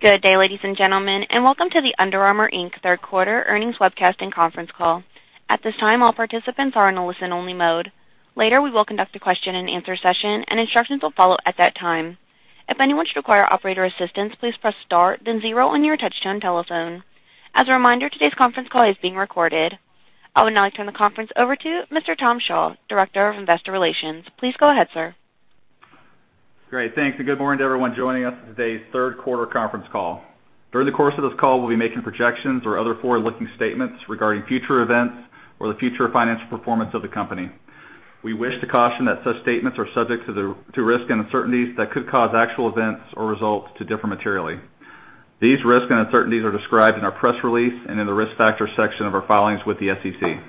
Good day, ladies and gentlemen, welcome to the Under Armour, Inc. third quarter earnings webcast and conference call. At this time, all participants are in a listen-only mode. Later, we will conduct a question-and-answer session, and instructions will follow at that time. If anyone should require operator assistance, please press star then zero on your touch-tone telephone. As a reminder, today's conference call is being recorded. I would now like to turn the conference over to Mr. Tom Shaw, Director of Investor Relations. Please go ahead, sir. Great. Thanks, good morning to everyone joining us for today's third quarter conference call. During the course of this call, we'll be making projections or other forward-looking statements regarding future events or the future financial performance of the company. We wish to caution that such statements are subject to risks and uncertainties that could cause actual events or results to differ materially. These risks and uncertainties are described in our press release and in the Risk Factors section of our filings with the SEC.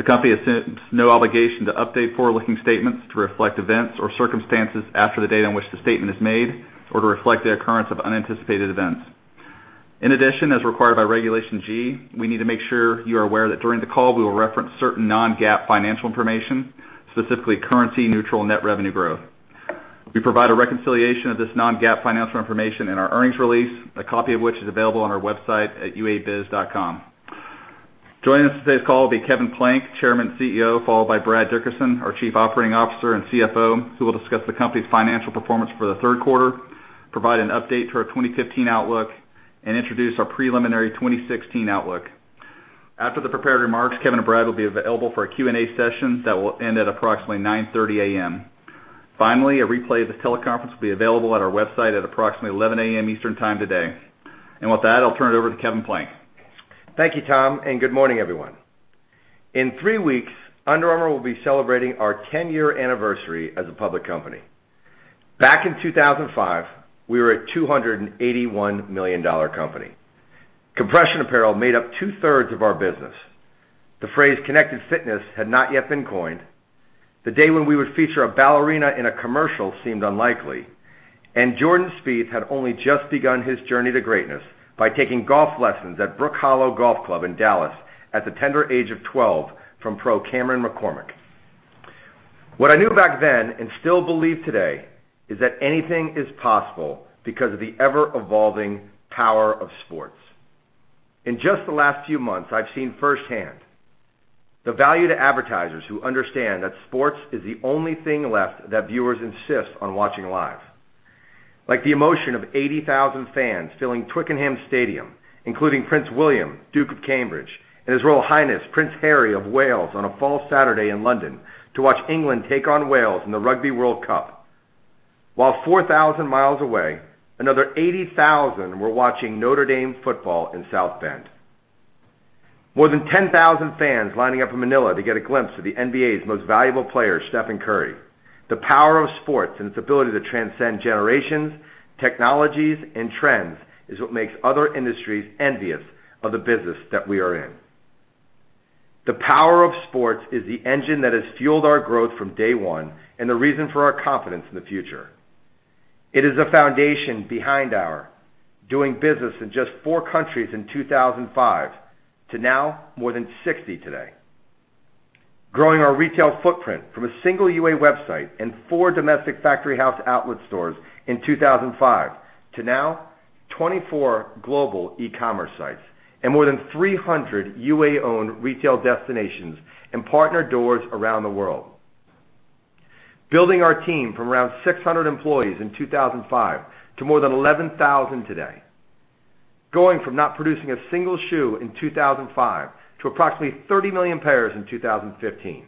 The company assumes no obligation to update forward-looking statements to reflect events or circumstances after the date on which the statement is made or to reflect the occurrence of unanticipated events. In addition, as required by Regulation G, we need to make sure you are aware that during the call we will reference certain non-GAAP financial information, specifically currency-neutral net revenue growth. We provide a reconciliation of this non-GAAP financial information in our earnings release, a copy of which is available on our website at uabiz.com. Joining us on today's call will be Kevin Plank, Chairman and CEO, followed by Brad Dickerson, our Chief Operating Officer and CFO, who will discuss the company's financial performance for the third quarter, provide an update to our 2015 outlook, and introduce our preliminary 2016 outlook. After the prepared remarks, Kevin and Brad will be available for a Q&A session that will end at approximately 9:30 A.M. Finally, a replay of this teleconference will be available on our website at approximately 11:00 A.M. Eastern Time today. With that, I'll turn it over to Kevin Plank. Thank you, Tom, good morning, everyone. In three weeks, Under Armour will be celebrating our 10-year anniversary as a public company. Back in 2005, we were a $281 million company. Compression apparel made up two-thirds of our business. The phrase "connected fitness" had not yet been coined. The day when we would feature a ballerina in a commercial seemed unlikely, Jordan Spieth had only just begun his journey to greatness by taking golf lessons at Brook Hollow Golf Club in Dallas at the tender age of 12 from pro Cameron McCormick. What I knew back then, still believe today, is that anything is possible because of the ever-evolving power of sports. In just the last few months, I've seen firsthand the value to advertisers who understand that sports is the only thing left that viewers insist on watching live. Like the emotion of 80,000 fans filling Twickenham Stadium, including Prince William, Duke of Cambridge, and His Royal Highness Prince Harry of Wales, on a fall Saturday in London to watch England take on Wales in the Rugby World Cup, while 4,000 miles away, another 80,000 were watching Notre Dame football in South Bend. More than 10,000 fans lining up in Manila to get a glimpse of the NBA's most valuable player, Stephen Curry. The power of sports and its ability to transcend generations, technologies, and trends is what makes other industries envious of the business that we are in. The power of sports is the engine that has fueled our growth from day one and the reason for our confidence in the future. It is the foundation behind our doing business in just four countries in 2005 to now more than 60 today. Growing our retail footprint from a single UA website and four domestic Factory House outlet stores in 2005 to now 24 global e-commerce sites and more than 300 UA-owned retail destinations and partner doors around the world. Building our team from around 600 employees in 2005 to more than 11,000 today. Going from not producing a single shoe in 2005 to approximately 30 million pairs in 2015.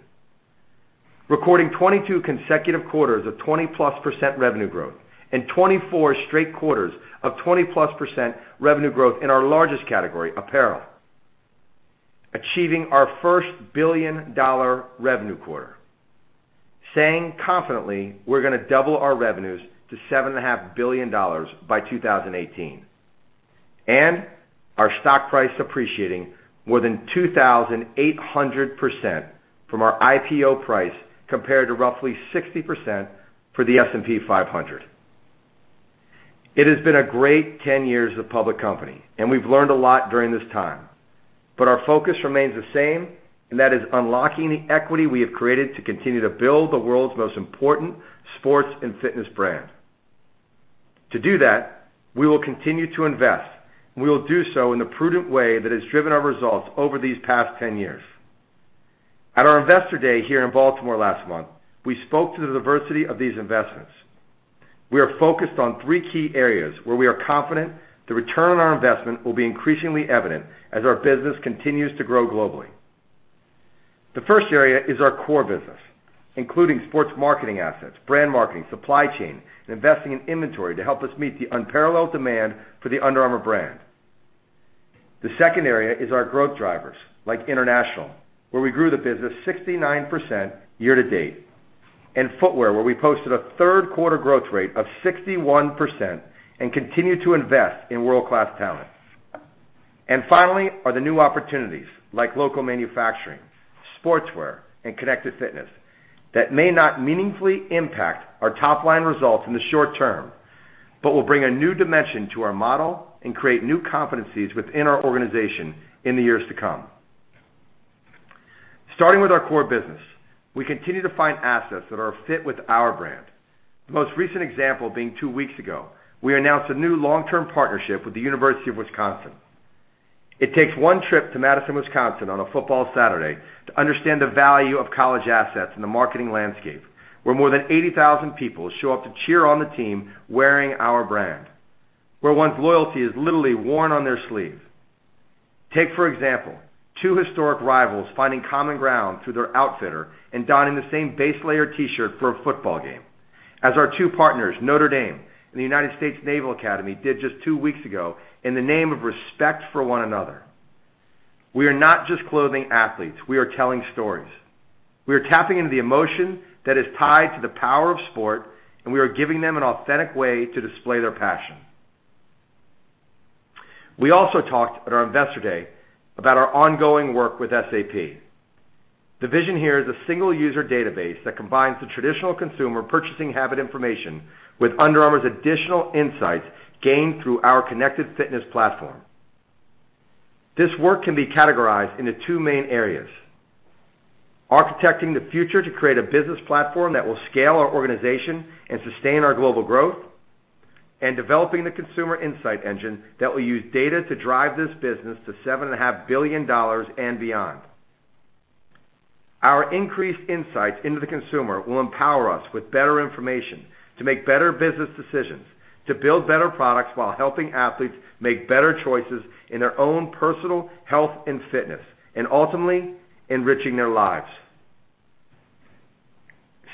Recording 22 consecutive quarters of 20+% revenue growth and 24 straight quarters of 20+% revenue growth in our largest category, apparel. Achieving our first $1 billion revenue quarter. Saying confidently we're going to double our revenues to $7.5 billion by 2018. Our stock price appreciating more than 2,800% from our IPO price compared to roughly 60% for the S&P 500. It has been a great 10 years as a public company, and we've learned a lot during this time. Our focus remains the same, and that is unlocking the equity we have created to continue to build the world's most important sports and fitness brand. To do that, we will continue to invest, and we will do so in the prudent way that has driven our results over these past 10 years. At our Investor Day here in Baltimore last month, we spoke to the diversity of these investments. We are focused on three key areas where we are confident the return on our investment will be increasingly evident as our business continues to grow globally. The first area is our core business, including sports marketing assets, brand marketing, supply chain, and investing in inventory to help us meet the unparalleled demand for the Under Armour brand. The second area is our growth drivers, like international, where we grew the business 69% year to date, and footwear, where we posted a third-quarter growth rate of 61% and continue to invest in world-class talent. Finally are the new opportunities like local manufacturing, sportswear, and connected fitness that may not meaningfully impact our top-line results in the short term but will bring a new dimension to our model and create new competencies within our organization in the years to come. Starting with our core business, we continue to find assets that are a fit with our brand. The most recent example being two weeks ago, we announced a new long-term partnership with the University of Wisconsin. It takes one trip to Madison, Wisconsin on a football Saturday to understand the value of college assets in the marketing landscape, where more than 80,000 people show up to cheer on the team wearing our brand. Where one's loyalty is literally worn on their sleeve. Take, for example, two historic rivals finding common ground through their outfitter and donning the same base layer T-shirt for a football game. As our two partners, Notre Dame and the United States Naval Academy, did just two weeks ago in the name of respect for one another. We are not just clothing athletes, we are telling stories. We are tapping into the emotion that is tied to the power of sport, and we are giving them an authentic way to display their passion. We also talked at our Investor Day about our ongoing work with SAP. The vision here is a single user database that combines the traditional consumer purchasing habit information with Under Armour's additional insights gained through our connected fitness platform. This work can be categorized into two main areas: architecting the future to create a business platform that will scale our organization and sustain our global growth, and developing the consumer insight engine that will use data to drive this business to $7.5 billion and beyond. Our increased insights into the consumer will empower us with better information to make better business decisions, to build better products while helping athletes make better choices in their own personal health and fitness, and ultimately enriching their lives.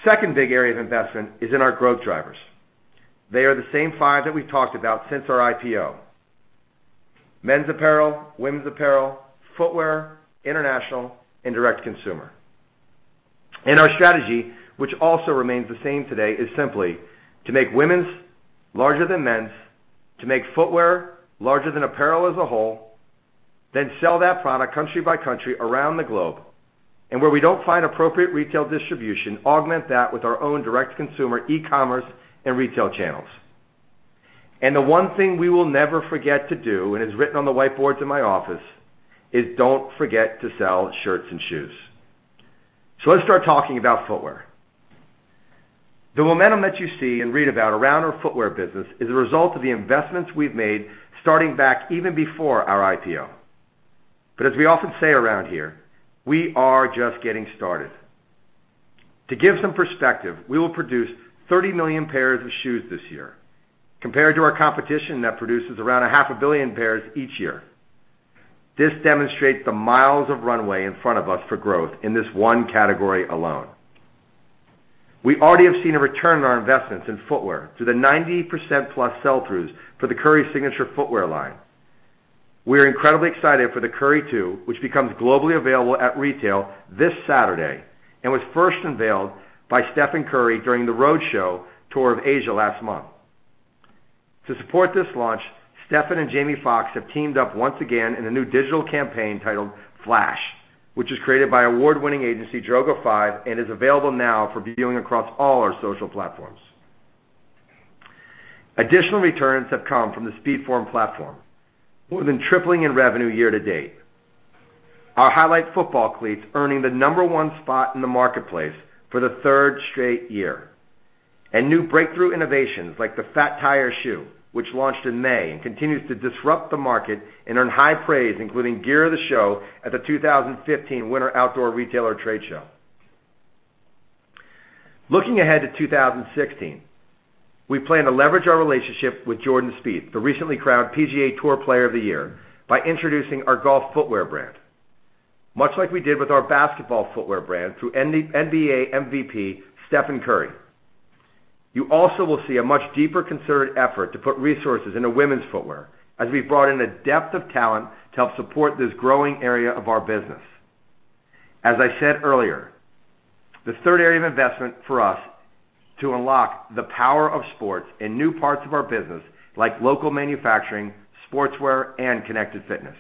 Second big area of investment is in our growth drivers. They are the same five that we've talked about since our IPO: men's apparel, women's apparel, footwear, international, and direct-to-consumer. Our strategy, which also remains the same today, is simply to make women's larger than men's, to make footwear larger than apparel as a whole, then sell that product country by country around the globe, and where we don't find appropriate retail distribution, augment that with our own direct-to-consumer e-commerce and retail channels. The one thing we will never forget to do, and it's written on the whiteboards in my office, is don't forget to sell shirts and shoes. Let's start talking about footwear. The momentum that you see and read about around our footwear business is a result of the investments we've made starting back even before our IPO. As we often say around here, we are just getting started. To give some perspective, we will produce 30 million pairs of shoes this year, compared to our competition that produces around a half a billion pairs each year. This demonstrates the miles of runway in front of us for growth in this one category alone. We already have seen a return on our investments in footwear through the 90% plus sell-throughs for the Curry signature footwear line. We are incredibly excited for the Curry Two, which becomes globally available at retail this Saturday and was first unveiled by Stephen Curry during the road show tour of Asia last month. To support this launch, Stephen and Jamie Foxx have teamed up once again in a new digital campaign titled Flash, which was created by award-winning agency Droga5 and is available now for viewing across all our social platforms. Additional returns have come from the SpeedForm platform, more than tripling in revenue year to date. Our Highlight Football cleats earning the number one spot in the marketplace for the third straight year. New breakthrough innovations like the Fat Tire shoe, which launched in May and continues to disrupt the market and earn high praise, including Gear of the Show at the 2015 Winter Outdoor Retailer trade show. Looking ahead to 2016, we plan to leverage our relationship with Jordan Spieth, the recently crowned PGA Tour Player of the Year, by introducing our golf footwear brand, much like we did with our basketball footwear brand through NBA MVP Stephen Curry. You also will see a much deeper considered effort to put resources into women's footwear as we've brought in a depth of talent to help support this growing area of our business. As I said earlier, the third area of investment for us to unlock the power of sports in new parts of our business like local manufacturing, sportswear, and connected fitness.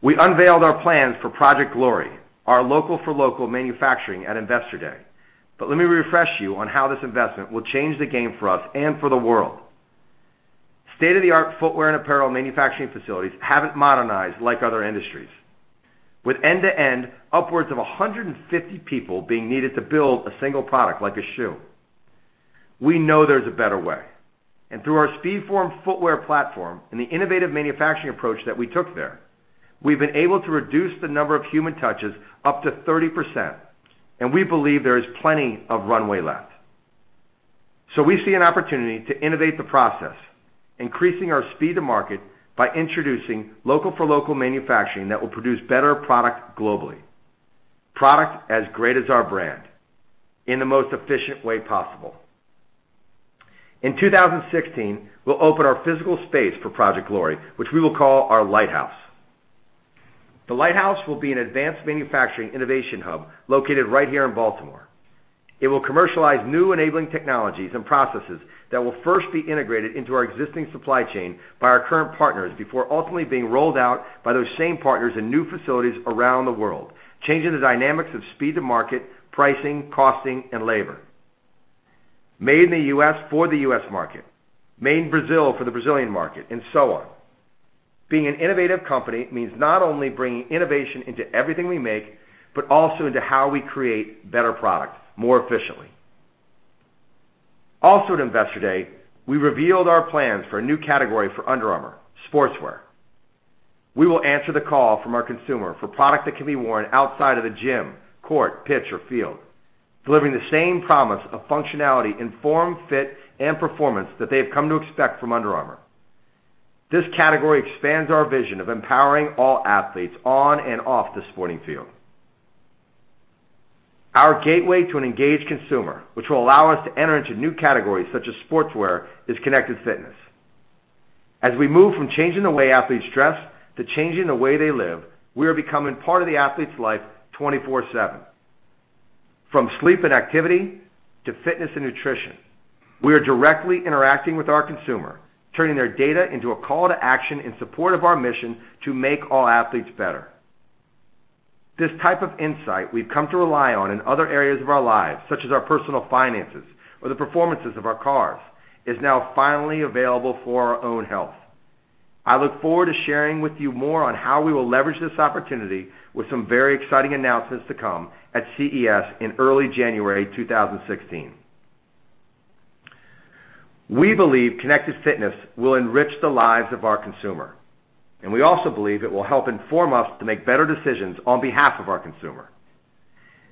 We unveiled our plans for Project Glory, our local for local manufacturing, at Investor Day. Let me refresh you on how this investment will change the game for us and for the world. State-of-the-art footwear and apparel manufacturing facilities haven't modernized like other industries. With end-to-end, upwards of 150 people being needed to build a single product like a shoe. We know there's a better way, and through our SpeedForm footwear platform and the innovative manufacturing approach that we took there, we've been able to reduce the number of human touches up to 30%, and we believe there is plenty of runway left. We see an opportunity to innovate the process, increasing our speed to market by introducing local for local manufacturing that will produce better product globally. Product as great as our brand in the most efficient way possible. In 2016, we'll open our physical space for Project Glory, which we will call our Lighthouse. The Lighthouse will be an advanced manufacturing innovation hub located right here in Baltimore. It will commercialize new enabling technologies and processes that will first be integrated into our existing supply chain by our current partners before ultimately being rolled out by those same partners in new facilities around the world, changing the dynamics of speed to market, pricing, costing, and labor. Made in the U.S. for the U.S. market, made in Brazil for the Brazilian market, and so on. Being an innovative company means not only bringing innovation into everything we make, but also into how we create better product more efficiently. Also at Investor Day, we revealed our plans for a new category for Under Armour, sportswear. We will answer the call from our consumer for product that can be worn outside of the gym, court, pitch, or field, delivering the same promise of functionality in form, fit, and performance that they have come to expect from Under Armour. This category expands our vision of empowering all athletes on and off the sporting field. Our gateway to an engaged consumer, which will allow us to enter into new categories such as sportswear, is connected fitness. As we move from changing the way athletes dress to changing the way they live, we are becoming part of the athlete's life 24/7. From sleep and activity to fitness and nutrition, we are directly interacting with our consumer, turning their data into a call to action in support of our mission to make all athletes better. This type of insight we've come to rely on in other areas of our lives, such as our personal finances or the performances of our cars, is now finally available for our own health. I look forward to sharing with you more on how we will leverage this opportunity with some very exciting announcements to come at CES in early January 2016. We believe connected fitness will enrich the lives of our consumer, and we also believe it will help inform us to make better decisions on behalf of our consumer.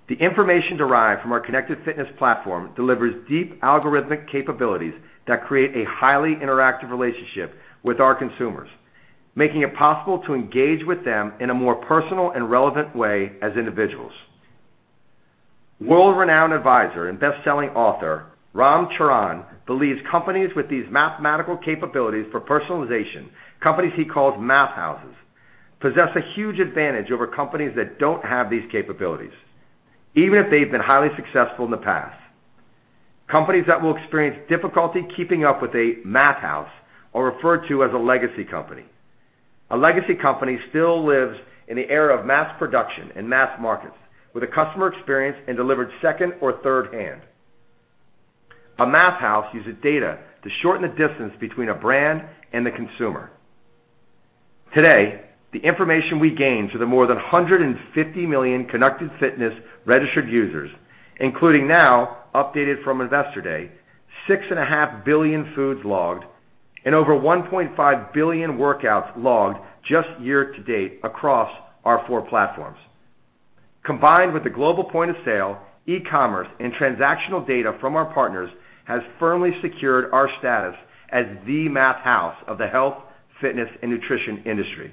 The information derived from our connected fitness platform delivers deep algorithmic capabilities that create a highly interactive relationship with our consumers, making it possible to engage with them in a more personal and relevant way as individuals. World-renowned advisor and best-selling author Ram Charan believes companies with these mathematical capabilities for personalization, companies he calls math houses, possess a huge advantage over companies that don't have these capabilities, even if they've been highly successful in the past. Companies that will experience difficulty keeping up with a math house are referred to as a legacy company. A legacy company still lives in the era of mass production and mass markets, with a customer experience and delivered second or third hand. A math house uses data to shorten the distance between a brand and the consumer. Today, the information we gain to the more than 150 million connected fitness registered users, including now, updated from Investor Day, 6.5 billion foods logged and over 1.5 billion workouts logged just year to date across our four platforms. Combined with the global point-of-sale, e-commerce, and transactional data from our partners has firmly secured our status as the math house of the health, fitness, and nutrition industry.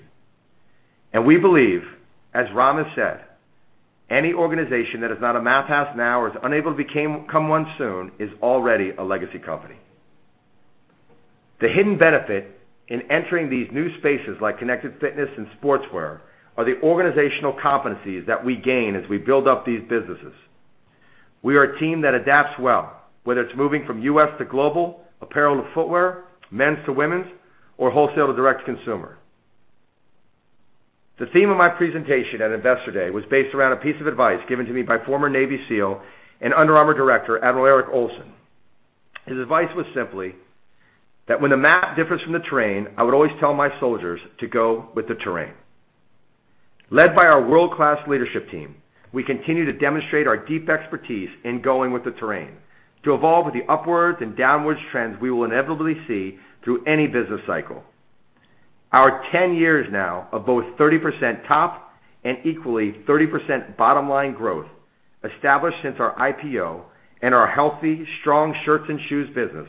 We believe, as Ram has said, any organization that is not a math house now or is unable to become one soon is already a legacy company. The hidden benefit in entering these new spaces like connected fitness and sportswear are the organizational competencies that we gain as we build up these businesses. We are a team that adapts well, whether it's moving from U.S. to global, apparel to footwear, men's to women's, or wholesale to direct consumer. The theme of my presentation at Investor Day was based around a piece of advice given to me by former Navy SEAL and Under Armour director, Admiral Eric Olson. His advice was simply that when the map differs from the terrain, I would always tell my soldiers to go with the terrain. Led by our world-class leadership team, we continue to demonstrate our deep expertise in going with the terrain to evolve with the upwards and downwards trends we will inevitably see through any business cycle. Our 10 years now of both 30% top and equally 30% bottom-line growth established since our IPO and our healthy, strong shirts and shoes business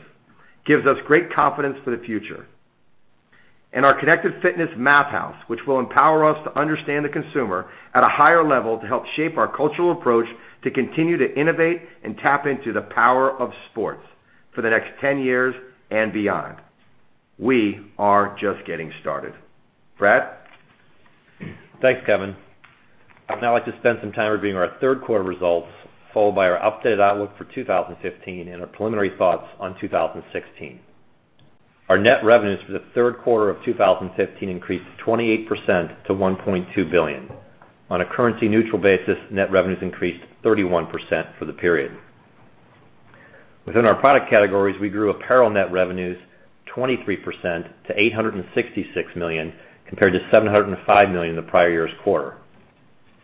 gives us great confidence for the future. Our connected fitness Math House, which will empower us to understand the consumer at a higher level to help shape our cultural approach to continue to innovate and tap into the power of sports for the next 10 years and beyond. We are just getting started. Brad? Thanks, Kevin. I'd now like to spend some time reviewing our third quarter results, followed by our updated outlook for 2015 and our preliminary thoughts on 2016. Our net revenues for the third quarter of 2015 increased 28% to $1.2 billion. On a currency-neutral basis, net revenues increased 31% for the period. Within our product categories, we grew apparel net revenues 23% to $866 million, compared to $705 million in the prior year's quarter.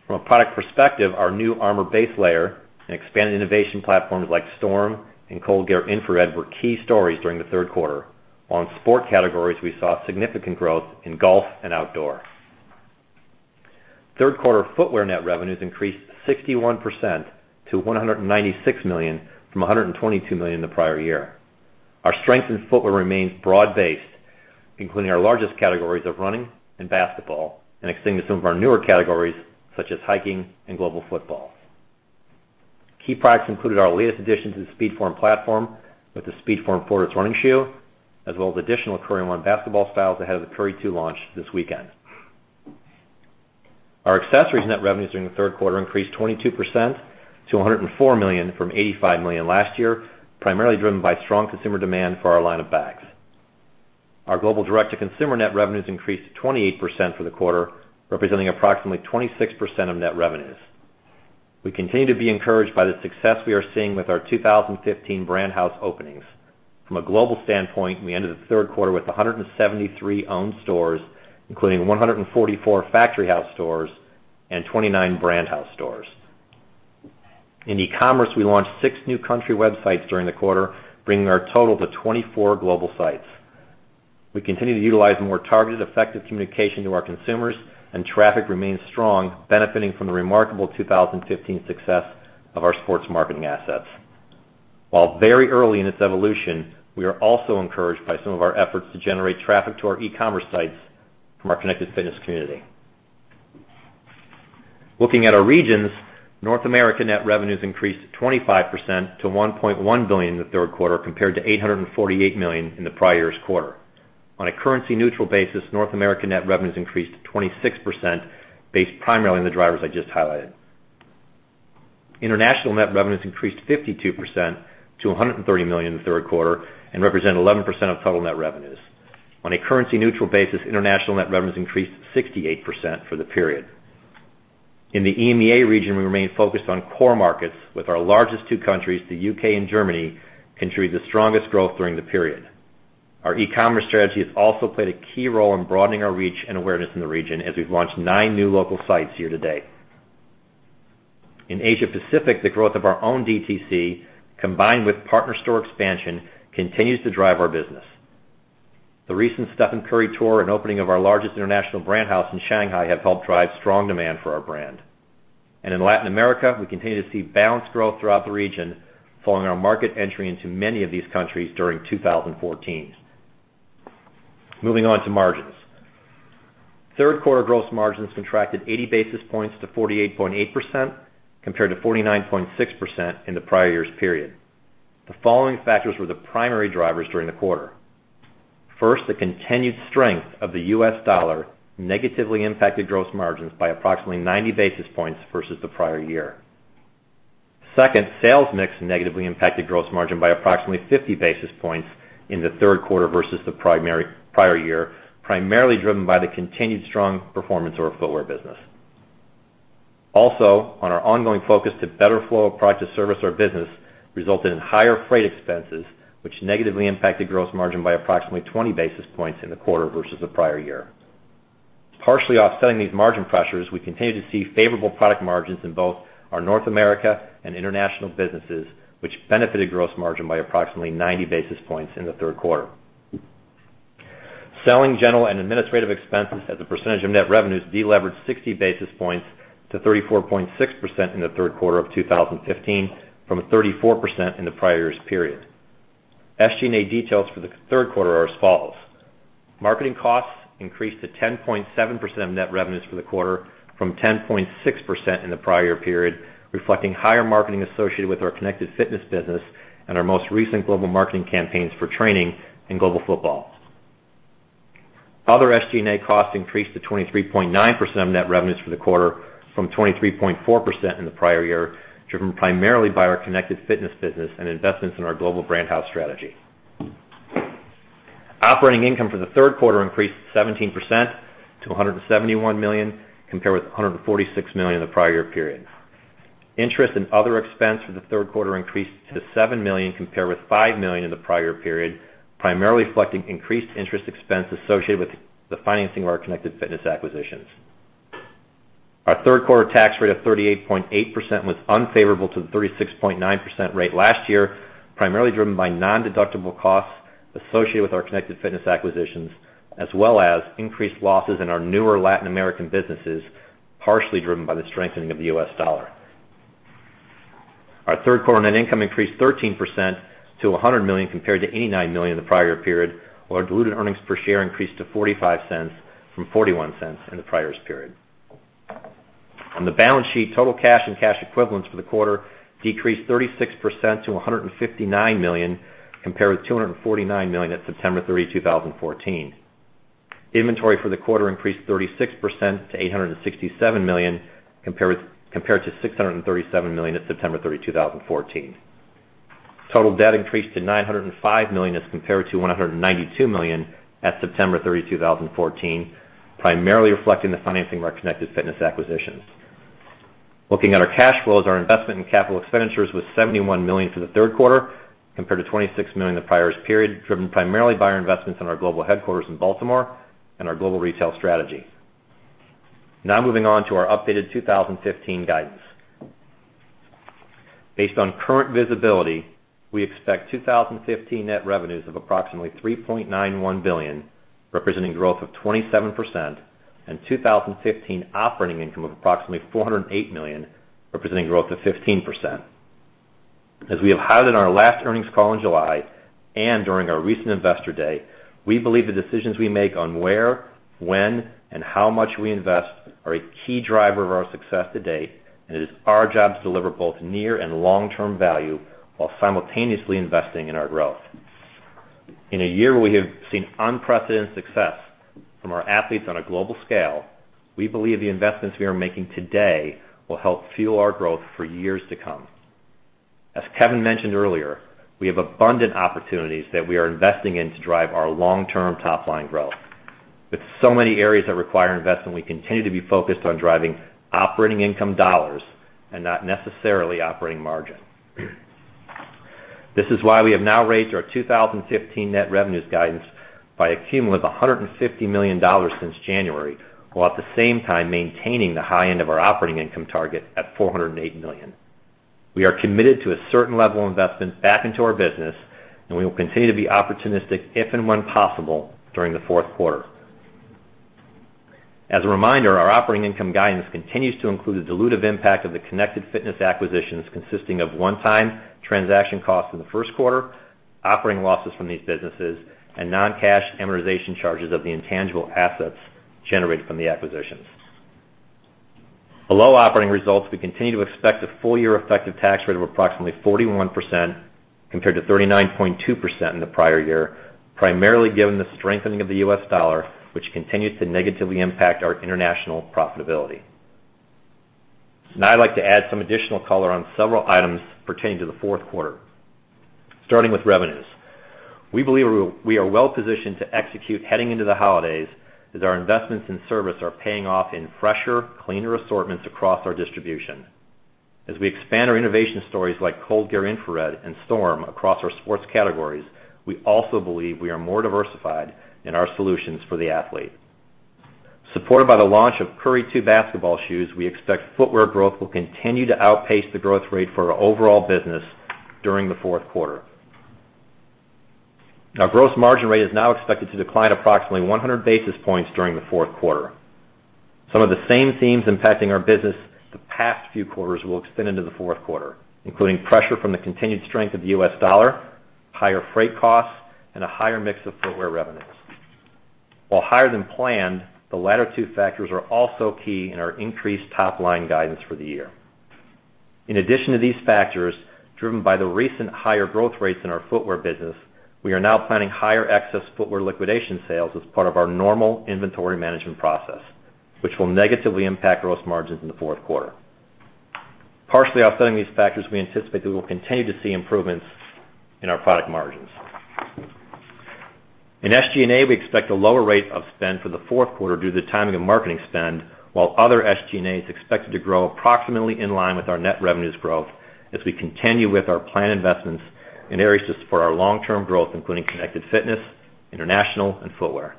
From a product perspective, our new Armour baselayer and expanded innovation platforms like Storm and ColdGear Infrared were key stories during the third quarter. On sport categories, we saw significant growth in golf and outdoor. Third quarter footwear net revenues increased 61% to $196 million from $122 million the prior year. Our strength in footwear remains broad-based, including our largest categories of running and basketball, and extending to some of our newer categories, such as hiking and global football. Key products included our latest addition to the SpeedForm platform with the SpeedForm Fortis running shoe, as well as additional Curry One basketball styles ahead of the Curry Two launch this weekend. Our accessories net revenues during the third quarter increased 22% to $104 million from $85 million last year, primarily driven by strong consumer demand for our line of bags. Our global direct-to-consumer net revenues increased 28% for the quarter, representing approximately 26% of net revenues. We continue to be encouraged by the success we are seeing with our 2015 Brand House openings. From a global standpoint, we ended the third quarter with 173 owned stores, including 144 Factory House stores and 29 Brand House stores. In e-commerce, we launched six new country websites during the quarter, bringing our total to 24 global sites. We continue to utilize more targeted effective communication to our consumers, and traffic remains strong, benefiting from the remarkable 2015 success of our sports marketing assets. While very early in its evolution, we are also encouraged by some of our efforts to generate traffic to our e-commerce sites from our connected fitness community. Looking at our regions, North America net revenues increased 25% to $1.1 billion in the third quarter, compared to $848 million in the prior year's quarter. On a currency-neutral basis, North America net revenues increased 26%, based primarily on the drivers I just highlighted. International net revenues increased 52% to $130 million in the third quarter and represent 11% of total net revenues. On a currency-neutral basis, international net revenues increased 68% for the period. In the EMEA region, we remain focused on core markets, with our largest two countries, the U.K. and Germany, contributing the strongest growth during the period. Our e-commerce strategy has also played a key role in broadening our reach and awareness in the region, as we've launched nine new local sites year to date. In Asia Pacific, the growth of our own DTC, combined with partner store expansion, continues to drive our business. The recent Stephen Curry tour and opening of our largest international brand house in Shanghai have helped drive strong demand for our brand. In Latin America, we continue to see balanced growth throughout the region, following our market entry into many of these countries during 2014. Moving on to margins. Third quarter gross margins contracted 80 basis points to 48.8%, compared to 49.6% in the prior year's period. The following factors were the primary drivers during the quarter. First, the continued strength of the U.S. dollar negatively impacted gross margins by approximately 90 basis points versus the prior year. Second, sales mix negatively impacted gross margin by approximately 50 basis points in the third quarter versus the prior year, primarily driven by the continued strong performance of our footwear business. Also, on our ongoing focus to better flow of product service, our business resulted in higher freight expenses, which negatively impacted gross margin by approximately 20 basis points in the quarter versus the prior year. Partially offsetting these margin pressures, we continue to see favorable product margins in both our North America and international businesses, which benefited gross margin by approximately 90 basis points in the third quarter. Selling, general, and administrative expenses as a percentage of net revenues deleveraged 60 basis points to 34.6% in the third quarter of 2015 from a 34% in the prior year's period. SG&A details for the third quarter are as follows: marketing costs increased to 10.7% of net revenues for the quarter from 10.6% in the prior year period, reflecting higher marketing associated with our Connected Fitness business and our most recent global marketing campaigns for training and global football. Other SG&A costs increased to 23.9% of net revenues for the quarter from 23.4% in the prior year, driven primarily by our Connected Fitness business and investments in our global brand house strategy. Operating income for the third quarter increased 17% to $171 million, compared with $146 million in the prior year period. Interest and other expense for the third quarter increased to $7 million, compared with $5 million in the prior period, primarily reflecting increased interest expense associated with the financing of our Connected Fitness acquisitions. Our third quarter tax rate of 38.8% was unfavorable to the 36.9% rate last year, primarily driven by non-deductible costs associated with our Connected Fitness acquisitions, as well as increased losses in our newer Latin American businesses, partially driven by the strengthening of the U.S. dollar. Our third quarter net income increased 13% to $100 million compared to $89 million in the prior period, while our diluted earnings per share increased to $0.45 from $0.41 in the prior period. On the balance sheet, total cash and cash equivalents for the quarter decreased 36% to $159 million, compared with $249 million at September 30, 2014. Inventory for the quarter increased 36% to $867 million, compared to $637 million at September 30, 2014. Total debt increased to $905 million as compared to $192 million at September 30, 2014, primarily reflecting the financing of our Connected Fitness acquisitions. Looking at our cash flows, our investment in capital expenditures was $71 million for the third quarter compared to $26 million in the prior period, driven primarily by our investments in our global headquarters in Baltimore and our global retail strategy. Moving on to our updated 2015 guidance. Based on current visibility, we expect 2015 net revenues of approximately $3.91 billion, representing growth of 27%, and 2015 operating income of approximately $408 million, representing growth of 15%. We have highlighted on our last earnings call in July and during our recent Investor Day, we believe the decisions we make on where, when, and how much we invest are a key driver of our success to date, and it is our job to deliver both near and long-term value while simultaneously investing in our growth. In a year where we have seen unprecedented success from our athletes on a global scale, we believe the investments we are making today will help fuel our growth for years to come. As Kevin mentioned earlier, we have abundant opportunities that we are investing in to drive our long-term top-line growth. With so many areas that require investment, we continue to be focused on driving operating income dollars and not necessarily operating margin. This is why we have now raised our 2015 net revenues guidance by a cumulative $150 million since January, while at the same time maintaining the high end of our operating income target at $408 million. We are committed to a certain level of investment back into our business, and we will continue to be opportunistic if and when possible during the fourth quarter. As a reminder, our operating income guidance continues to include the dilutive impact of the Connected Fitness acquisitions, consisting of one-time transaction costs in the first quarter, operating losses from these businesses, and non-cash amortization charges of the intangible assets generated from the acquisitions. Below operating results, we continue to expect a full-year effective tax rate of approximately 41% compared to 39.2% in the prior year, primarily given the strengthening of the U.S. dollar, which continues to negatively impact our international profitability. Now I'd like to add some additional color on several items pertaining to the fourth quarter. Starting with revenues. We believe we are well-positioned to execute heading into the holidays, as our investments in service are paying off in fresher, cleaner assortments across our distribution. As we expand our innovation stories like ColdGear Infrared and Storm across our sports categories, we also believe we are more diversified in our solutions for the athlete. Supported by the launch of Curry Two basketball shoes, we expect footwear growth will continue to outpace the growth rate for our overall business during the fourth quarter. Our gross margin rate is now expected to decline approximately 100 basis points during the fourth quarter. Some of the same themes impacting our business the past few quarters will extend into the fourth quarter, including pressure from the continued strength of the U.S. dollar, higher freight costs, and a higher mix of footwear revenues. While higher than planned, the latter two factors are also key in our increased top-line guidance for the year. In addition to these factors, driven by the recent higher growth rates in our footwear business, we are now planning higher excess footwear liquidation sales as part of our normal inventory management process, which will negatively impact gross margins in the fourth quarter. Partially offsetting these factors, we anticipate that we will continue to see improvements in our product margins. In SG&A, we expect a lower rate of spend for the fourth quarter due to the timing of marketing spend, while other SG&A is expected to grow approximately in line with our net revenues growth as we continue with our planned investments in areas to support our long-term growth, including Connected Fitness, international, and footwear.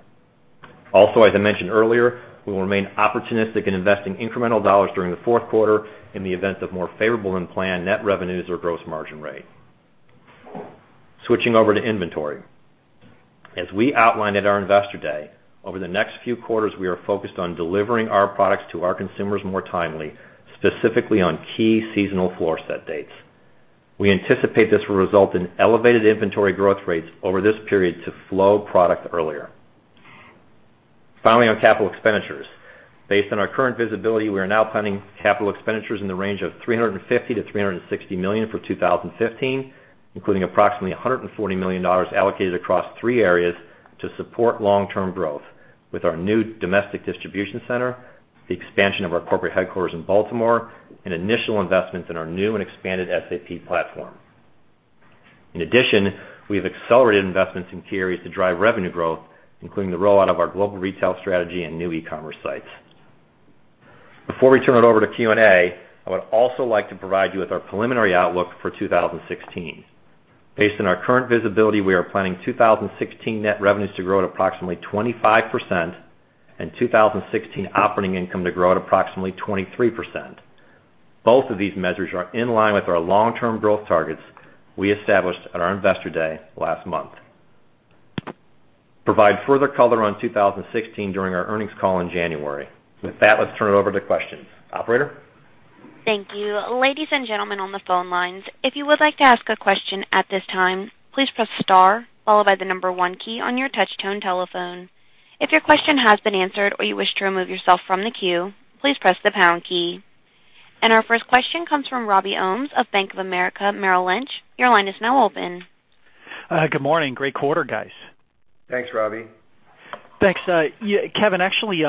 As I mentioned earlier, we will remain opportunistic in investing incremental dollars during the fourth quarter in the event of more favorable than planned net revenues or gross margin rate. Switching over to inventory. As we outlined at our Investor Day, over the next few quarters, we are focused on delivering our products to our consumers more timely, specifically on key seasonal floor set dates. We anticipate this will result in elevated inventory growth rates over this period to flow product earlier. Finally, on capital expenditures. Based on our current visibility, we are now planning capital expenditures in the range of $350 million-$360 million for 2015, including approximately $140 million allocated across three areas to support long-term growth with our new domestic distribution center, the expansion of our corporate headquarters in Baltimore, and initial investments in our new and expanded SAP platform. We have accelerated investments in key areas to drive revenue growth, including the rollout of our global retail strategy and new e-commerce sites. Before we turn it over to Q&A, I would also like to provide you with our preliminary outlook for 2016. Based on our current visibility, we are planning 2016 net revenues to grow at approximately 25% and 2016 operating income to grow at approximately 23%. Both of these measures are in line with our long-term growth targets we established at our Investor Day last month. We will provide further color on 2016 during our earnings call in January. With that, let's turn it over to questions. Operator? Thank you. Ladies and gentlemen on the phone lines, if you would like to ask a question at this time, please press star followed by the number one key on your touch-tone telephone. If your question has been answered or you wish to remove yourself from the queue, please press the pound key. Our first question comes from Robbie Ohmes of Bank of America Merrill Lynch. Your line is now open. Good morning. Great quarter, guys. Thanks, Robbie. Thanks. Kevin, actually,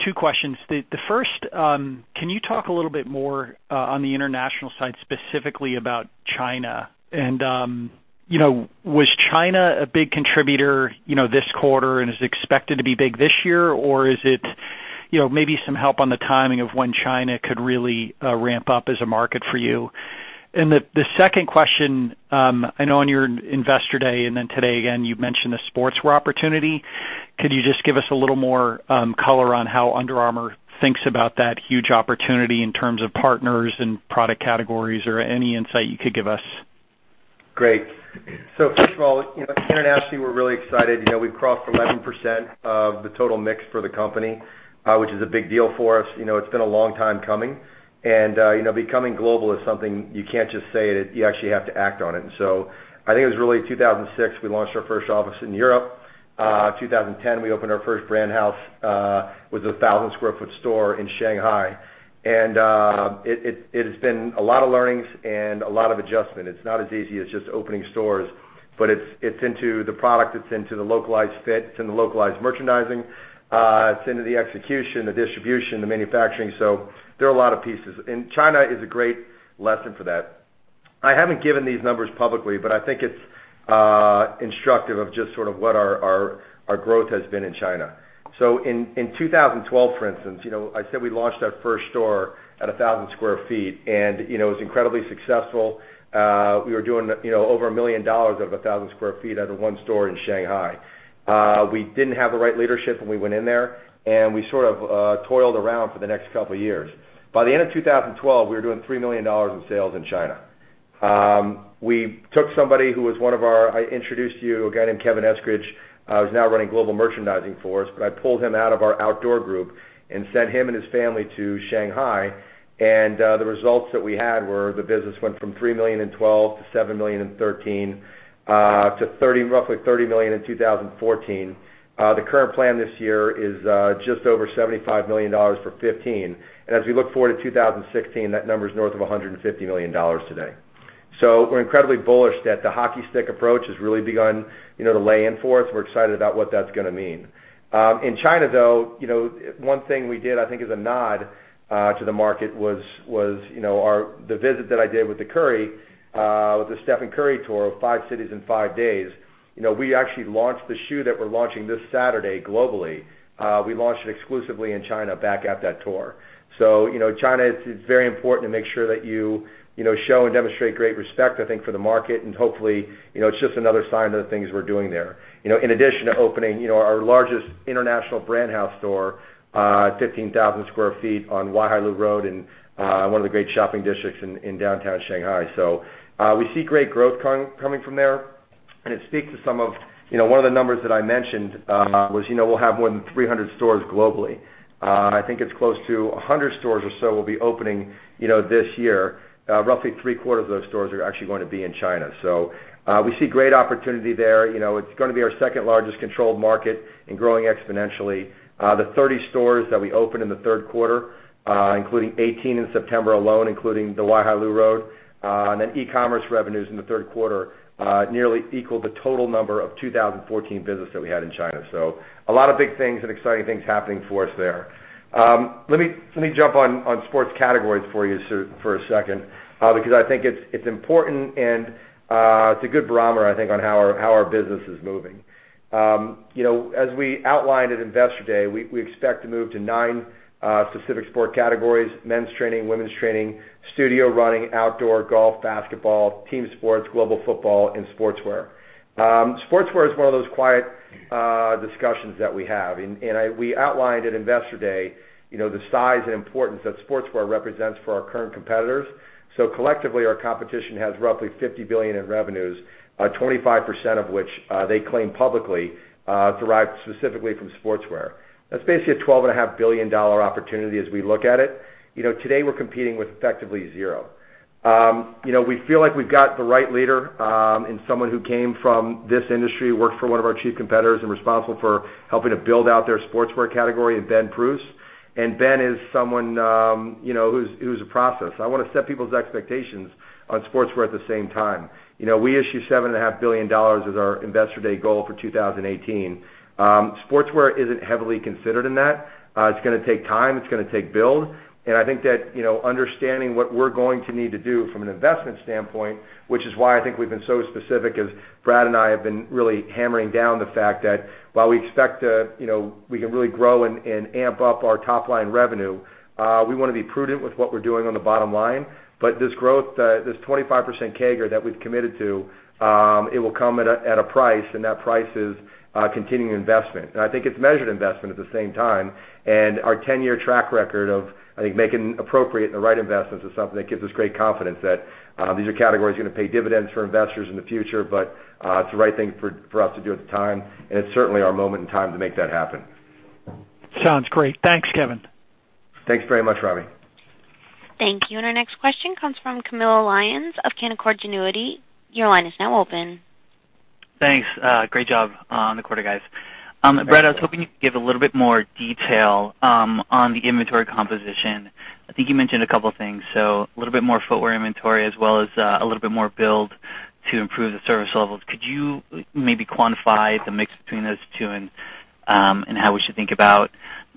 two questions. The first, can you talk a little bit more on the international side, specifically about China? Was China a big contributor this quarter and is expected to be big this year? Maybe some help on the timing of when China could really ramp up as a market for you. The second question, I know on your Investor Day and then today again, you mentioned the sportswear opportunity. Could you just give us a little more color on how Under Armour thinks about that huge opportunity in terms of partners and product categories or any insight you could give us? Great. First of all, internationally, we're really excited. We've crossed 11% of the total mix for the company, which is a big deal for us. It's been a long time coming, and becoming global is something you can't just say it, you actually have to act on it. I think it was really 2006, we launched our first office in Europe. 2010, we opened our first brand house with a 1,000 sq ft store in Shanghai. It has been a lot of learnings and a lot of adjustment. It's not as easy as just opening stores. It's into the product, it's into the localized fit, it's in the localized merchandising, it's into the execution, the distribution, the manufacturing. There are a lot of pieces. China is a great lesson for that. I haven't given these numbers publicly, but I think it's instructive of just sort of what our growth has been in China. In 2012, for instance, I said we launched our first store at 1,000 sq ft. It was incredibly successful. We were doing over $1 million of 1,000 sq ft out of one store in Shanghai. We didn't have the right leadership when we went in there, and we sort of toiled around for the next couple of years. By the end of 2012, we were doing $3 million in sales in China. We took somebody who was one of our-- I introduced you, a guy named Kevin Eskridge, who's now running global merchandising for us. I pulled him out of our outdoor group and sent him and his family to Shanghai. The results that we had were, the business went from $3 million in 2012 to $7 million in 2013, to roughly $30 million in 2014. The current plan this year is just over $75 million for 2015. As we look forward to 2016, that number's north of $150 million today. We're incredibly bullish that the hockey stick approach has really begun to lay in for us. We're excited about what that's going to mean. In China, though, one thing we did, I think, as a nod to the market was the visit that I did with the Stephen Curry tour, five cities in five days. We actually launched the shoe that we're launching this Saturday globally. We launched it exclusively in China back at that tour. China, it's very important to make sure that you show and demonstrate great respect, I think, for the market. Hopefully, it's just another sign of the things we're doing there. In addition to opening our largest international brand house store, 15,000 sq ft on Huaihai Road in one of the great shopping districts in downtown Shanghai. We see great growth coming from there. It speaks to some of-- one of the numbers that I mentioned was we'll have more than 300 stores globally. I think it's close to 100 stores or so will be opening this year. Roughly three quarters of those stores are actually going to be in China. We see great opportunity there. It's going to be our second largest controlled market and growing exponentially. The 30 stores that we open in the third quarter, including 18 in September alone, including the Huaihai Road, e-commerce revenues in the third quarter nearly equal the total number of 2014 business that we had in China. A lot of big things and exciting things happening for us there. Let me jump on sports categories for you for a second because I think it's important, and it's a good barometer, I think, on how our business is moving. As we outlined at Investor Day, we expect to move to nine specific sport categories: men's training, women's training, studio, running, outdoor, golf, basketball, team sports, global football, and sportswear. Sportswear is one of those quiet discussions that we have. We outlined at Investor Day the size and importance that sportswear represents for our current competitors. Collectively, our competition has roughly $50 billion in revenues, 25% of which they claim publicly derived specifically from sportswear. That's basically a $12.5 billion opportunity as we look at it. Today, we're competing with effectively zero. We feel like we've got the right leader in someone who came from this industry, worked for one of our chief competitors, and responsible for helping to build out their sportswear category in Ben Pruess. Ben is someone who's a process. I want to set people's expectations on sportswear at the same time. We issue $7.5 billion as our Investor Day goal for 2018. Sportswear isn't heavily considered in that. It's going to take time. It's going to take build. I think that understanding what we're going to need to do from an investment standpoint, which is why I think we've been so specific as Brad and I have been really hammering down the fact that while we expect we can really grow and amp up our top-line revenue, we want to be prudent with what we're doing on the bottom line. This growth, this 25% CAGR that we've committed to, it will come at a price, and that price is continuing investment. I think it's measured investment at the same time, and our 10-year track record of, I think, making appropriate and the right investments is something that gives us great confidence that these are categories that are going to pay dividends for investors in the future. It's the right thing for us to do at the time, and it's certainly our moment in time to make that happen. Sounds great. Thanks, Kevin. Thanks very much, Robbie. Thank you. Our next question comes from Camilo Lyon of Canaccord Genuity. Your line is now open. Thanks. Great job on the quarter, guys. Thank you. Brad, I was hoping you could give a little bit more detail on the inventory composition. I think you mentioned a couple of things. A little bit more footwear inventory as well as a little bit more build to improve the service levels. Could you maybe quantify the mix between those two and how we should think about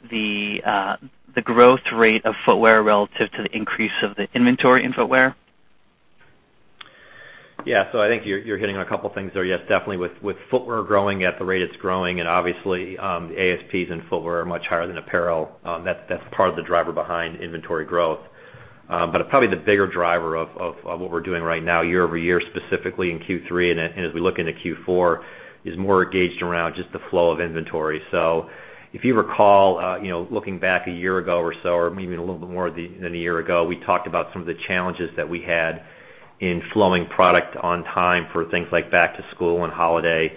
the growth rate of footwear relative to the increase of the inventory in footwear? Yeah. I think you're hitting on a couple of things there. Yes, definitely with footwear growing at the rate it's growing, and obviously the ASPs in footwear are much higher than apparel. That's part of the driver behind inventory growth. But probably the bigger driver of what we're doing right now year-over-year, specifically in Q3 and as we look into Q4, is more engaged around just the flow of inventory. If you recall looking back a year ago or so, or maybe a little bit more than a year ago, we talked about some of the challenges that we had in flowing product on time for things like back to school and holiday.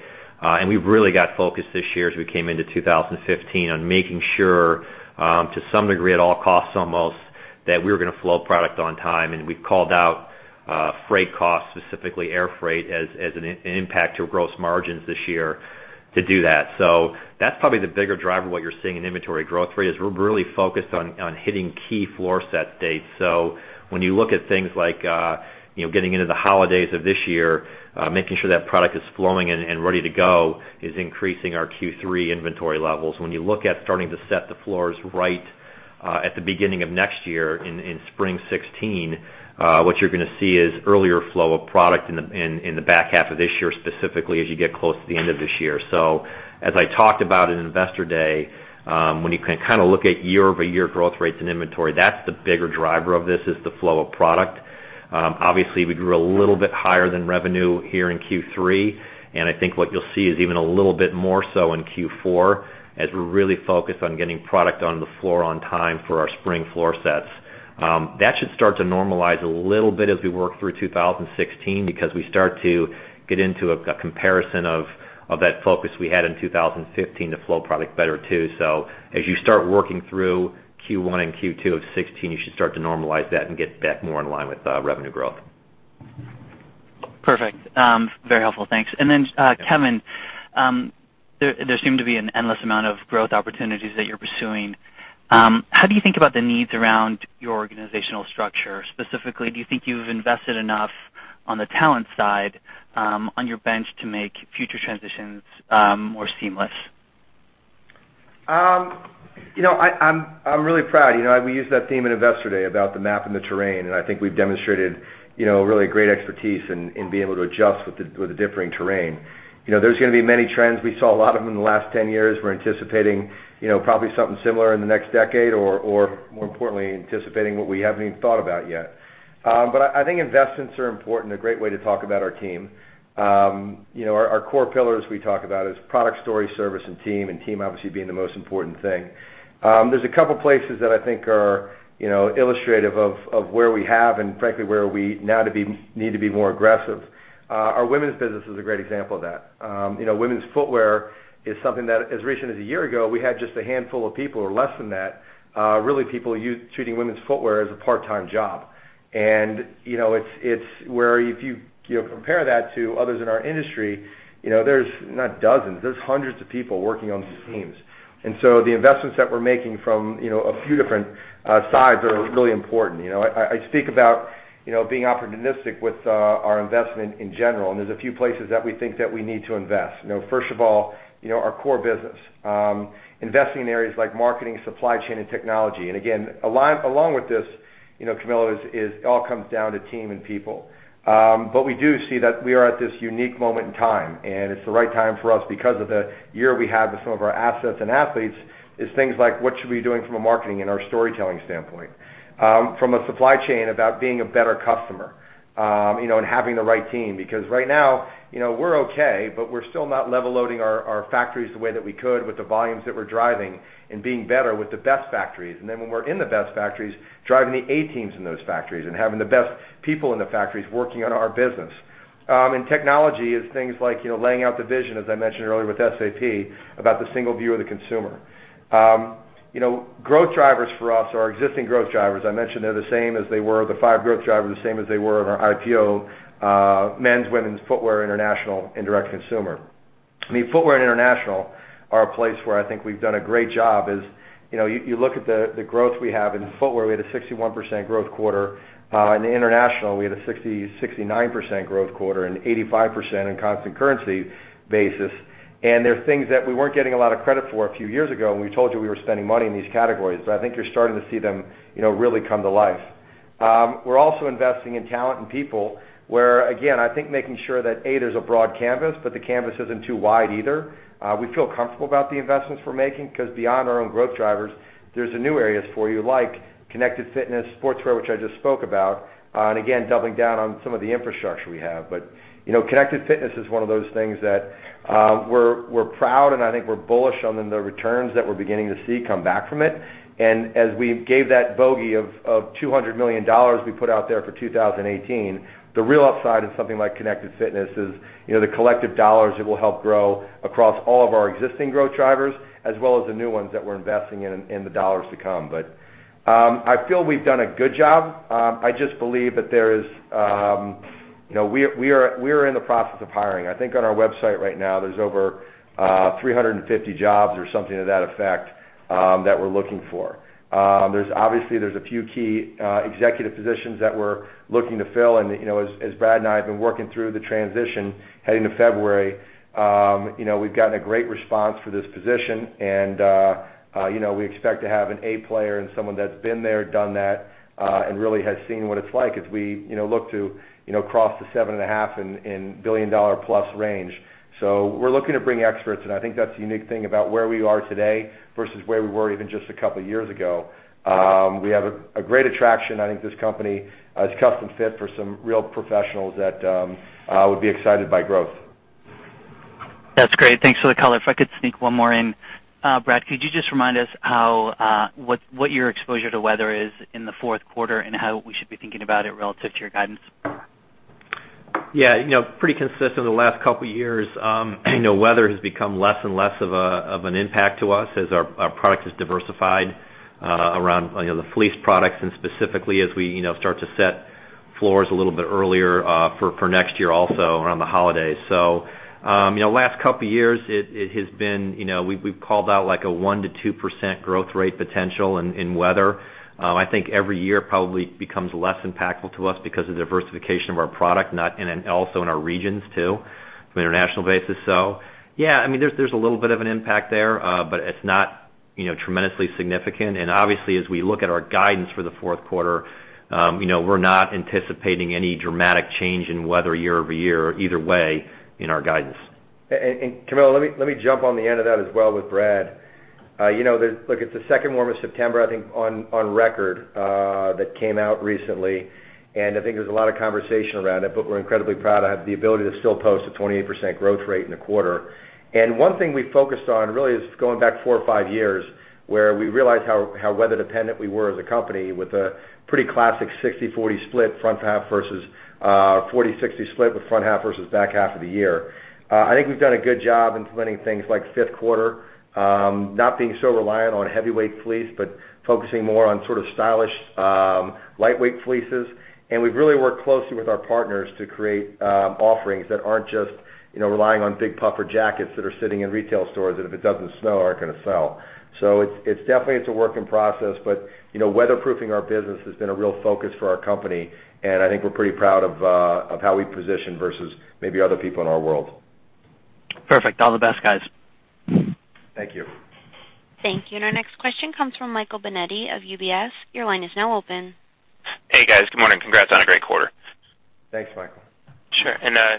We've really got focused this year as we came into 2015 on making sure, to some degree at all costs almost, that we were going to flow product on time. We called out freight costs, specifically air freight, as an impact to our gross margins this year. To do that. That's probably the bigger driver of what you're seeing in inventory growth rate, is we're really focused on hitting key floor set dates. When you look at things like getting into the holidays of this year, making sure that product is flowing and ready to go is increasing our Q3 inventory levels. When you look at starting to set the floors right at the beginning of next year, in spring 2016, what you're going to see is earlier flow of product in the back half of this year, specifically as you get close to the end of this year. As I talked about at Investor Day, when you look at year-over-year growth rates in inventory, that's the bigger driver of this, is the flow of product. Obviously, we grew a little bit higher than revenue here in Q3, and I think what you'll see is even a little bit more so in Q4, as we're really focused on getting product on the floor on time for our spring floor sets. That should start to normalize a little bit as we work through 2016, because we start to get into a comparison of that focus we had in 2015 to flow product better, too. As you start working through Q1 and Q2 of 2016, you should start to normalize that and get back more in line with revenue growth. Perfect. Very helpful. Thanks. Kevin, there seem to be an endless amount of growth opportunities that you're pursuing. How do you think about the needs around your organizational structure? Specifically, do you think you've invested enough on the talent side, on your bench, to make future transitions more seamless? I'm really proud. We used that theme at Investor Day about the map and the terrain, and I think we've demonstrated really great expertise in being able to adjust with the differing terrain. There's going to be many trends. We saw a lot of them in the last 10 years. We're anticipating probably something similar in the next decade, or more importantly, anticipating what we haven't even thought about yet. I think investments are important, a great way to talk about our team. Our core pillars we talk about is product, story, service, and team, and team obviously being the most important thing. There's a couple places that I think are illustrative of where we have and frankly, where we now need to be more aggressive. Our women's business is a great example of that. Women's footwear is something that, as recent as a year ago, we had just a handful of people, or less than that, really people treating women's footwear as a part-time job. It's where if you compare that to others in our industry, there's not dozens, there's hundreds of people working on these teams. The investments that we're making from a few different sides are really important. I speak about being opportunistic with our investment in general, and there's a few places that we think that we need to invest. First of all, our core business. Investing in areas like marketing, supply chain, and technology. Again, along with this, Camilo, it all comes down to team and people. We do see that we are at this unique moment in time, and it's the right time for us because of the year we had with some of our assets and athletes, is things like what should we be doing from a marketing and our storytelling standpoint. From a supply chain about being a better customer, and having the right team. Because right now, we're okay, but we're still not level loading our factories the way that we could with the volumes that we're driving and being better with the best factories. When we're in the best factories, driving the A teams in those factories and having the best people in the factories working on our business. Technology is things like laying out the vision, as I mentioned earlier with SAP, about the single view of the consumer. Growth drivers for us, or our existing growth drivers, I mentioned they're the same as they were, the five growth drivers, the same as they were in our IPO. Men's, women's footwear, international, and direct-to-consumer. Footwear and international are a place where I think we've done a great job is, you look at the growth we have in footwear, we had a 61% growth quarter. In the international, we had a 69% growth quarter and 85% in constant currency basis. They're things that we weren't getting a lot of credit for a few years ago when we told you we were spending money in these categories. I think you're starting to see them really come to life. We're also investing in talent and people, where, again, I think making sure that, A, there's a broad canvas, but the canvas isn't too wide either. We feel comfortable about the investments we're making because beyond our own growth drivers, there's new areas for you like connected fitness, sportswear, which I just spoke about, and again, doubling down on some of the infrastructure we have. Connected fitness is one of those things that we're proud and I think we're bullish on the returns that we're beginning to see come back from it. As we gave that bogey of $200 million we put out there for 2018, the real upside of something like connected fitness is the collective dollars it will help grow across all of our existing growth drivers, as well as the new ones that we're investing in the dollars to come. I feel we've done a good job. I just believe that we are in the process of hiring. I think on our website right now, there's over 350 jobs or something to that effect, that we're looking for. Obviously, there's a few key executive positions that we're looking to fill, and as Brad and I have been working through the transition heading to February, we've gotten a great response for this position, and we expect to have an A player and someone that's been there, done that, and really has seen what it's like as we look to cross the $7,500,000,000+ range. We're looking to bring experts, and I think that's the unique thing about where we are today versus where we were even just a couple of years ago. We have a great attraction. I think this company is custom fit for some real professionals that would be excited by growth. That's great. Thanks for the color. If I could sneak one more in. Brad, could you just remind us what your exposure to weather is in the fourth quarter and how we should be thinking about it relative to your guidance? Yeah. Pretty consistent over the last couple years. Weather has become less and less of an impact to us as our product has diversified around the fleece products and specifically as we start to set floors a little bit earlier for next year also around the holidays. Last couple of years, we've called out a 1%-2% growth rate potential in weather. I think every year probably becomes less impactful to us because of the diversification of our product, and then also in our regions, too, from an international basis. Yeah, there's a little bit of an impact there, but it's not tremendously significant. And obviously, as we look at our guidance for the fourth quarter, we're not anticipating any dramatic change in weather year-over-year either way in our guidance. Camilo, let me jump on the end of that as well with Brad. Look, it's the second warmest September, I think, on record that came out recently, and I think there's a lot of conversation around it, but we're incredibly proud to have the ability to still post a 28% growth rate in a quarter. One thing we focused on really is going back four or five years, where we realized how weather dependent we were as a company with a pretty classic 60-40 split front half 40-60 split with front half versus back half of the year. I think we've done a good job implementing things like fifth quarter, not being so reliant on heavyweight fleece, but focusing more on sort of stylish, lightweight fleeces. We've really worked closely with our partners to create offerings that aren't just relying on big puffer jackets that are sitting in retail stores that if it doesn't snow, aren't going to sell. It's definitely a work in process, but weatherproofing our business has been a real focus for our company, and I think we're pretty proud of how we position versus maybe other people in our world. Perfect. All the best, guys. Thank you. Thank you. Our next question comes from Michael Binetti of UBS. Your line is now open. Hey, guys. Good morning. Congrats on a great quarter. Thanks, Michael. Sure.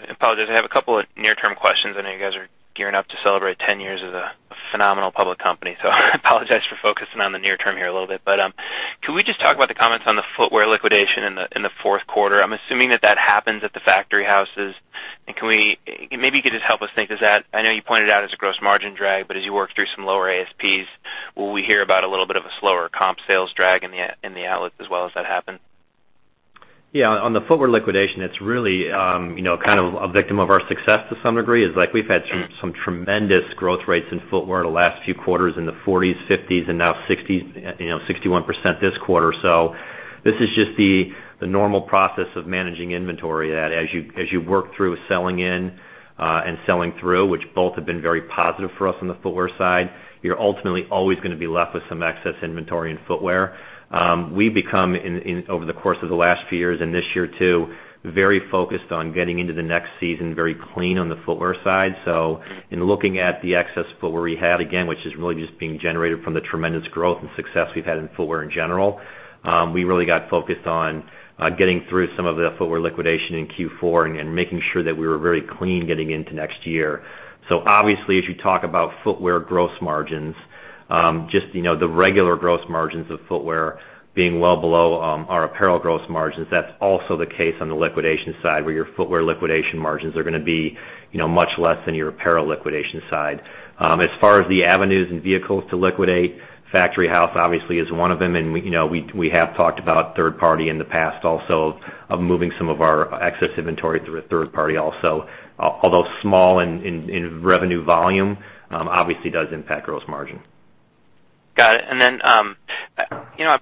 Apologies, I have a couple of near-term questions. I know you guys are gearing up to celebrate 10 years as a phenomenal public company, I apologize for focusing on the near term here a little bit. Can we just talk about the comments on the footwear liquidation in the fourth quarter? I'm assuming that that happens at the Factory Houses. Maybe you could just help us think, I know you pointed out as a gross margin drag, as you work through some lower ASPs, will we hear about a little bit of a slower comp sales drag in the outlook as well as that happens? Yeah. On the footwear liquidation, it's really a victim of our success to some degree, is like we've had some tremendous growth rates in footwear the last few quarters in the 40s, 50s, and now 60, 61% this quarter. This is just the normal process of managing inventory, that as you work through selling in and selling through, which both have been very positive for us on the footwear side, you're ultimately always going to be left with some excess inventory in footwear. We've become, over the course of the last few years, and this year too, very focused on getting into the next season very clean on the footwear side. In looking at the excess footwear we had, again, which is really just being generated from the tremendous growth and success we've had in footwear in general, we really got focused on getting through some of the footwear liquidation in Q4 and making sure that we were very clean getting into next year. Obviously, as you talk about footwear gross margins, just the regular gross margins of footwear being well below our apparel gross margins, that's also the case on the liquidation side, where your footwear liquidation margins are going to be much less than your apparel liquidation side. As far as the avenues and vehicles to liquidate, Factory House obviously is one of them, and we have talked about third party in the past also, of moving some of our excess inventory through a third party also. Although small in revenue volume, obviously does impact gross margin. Got it.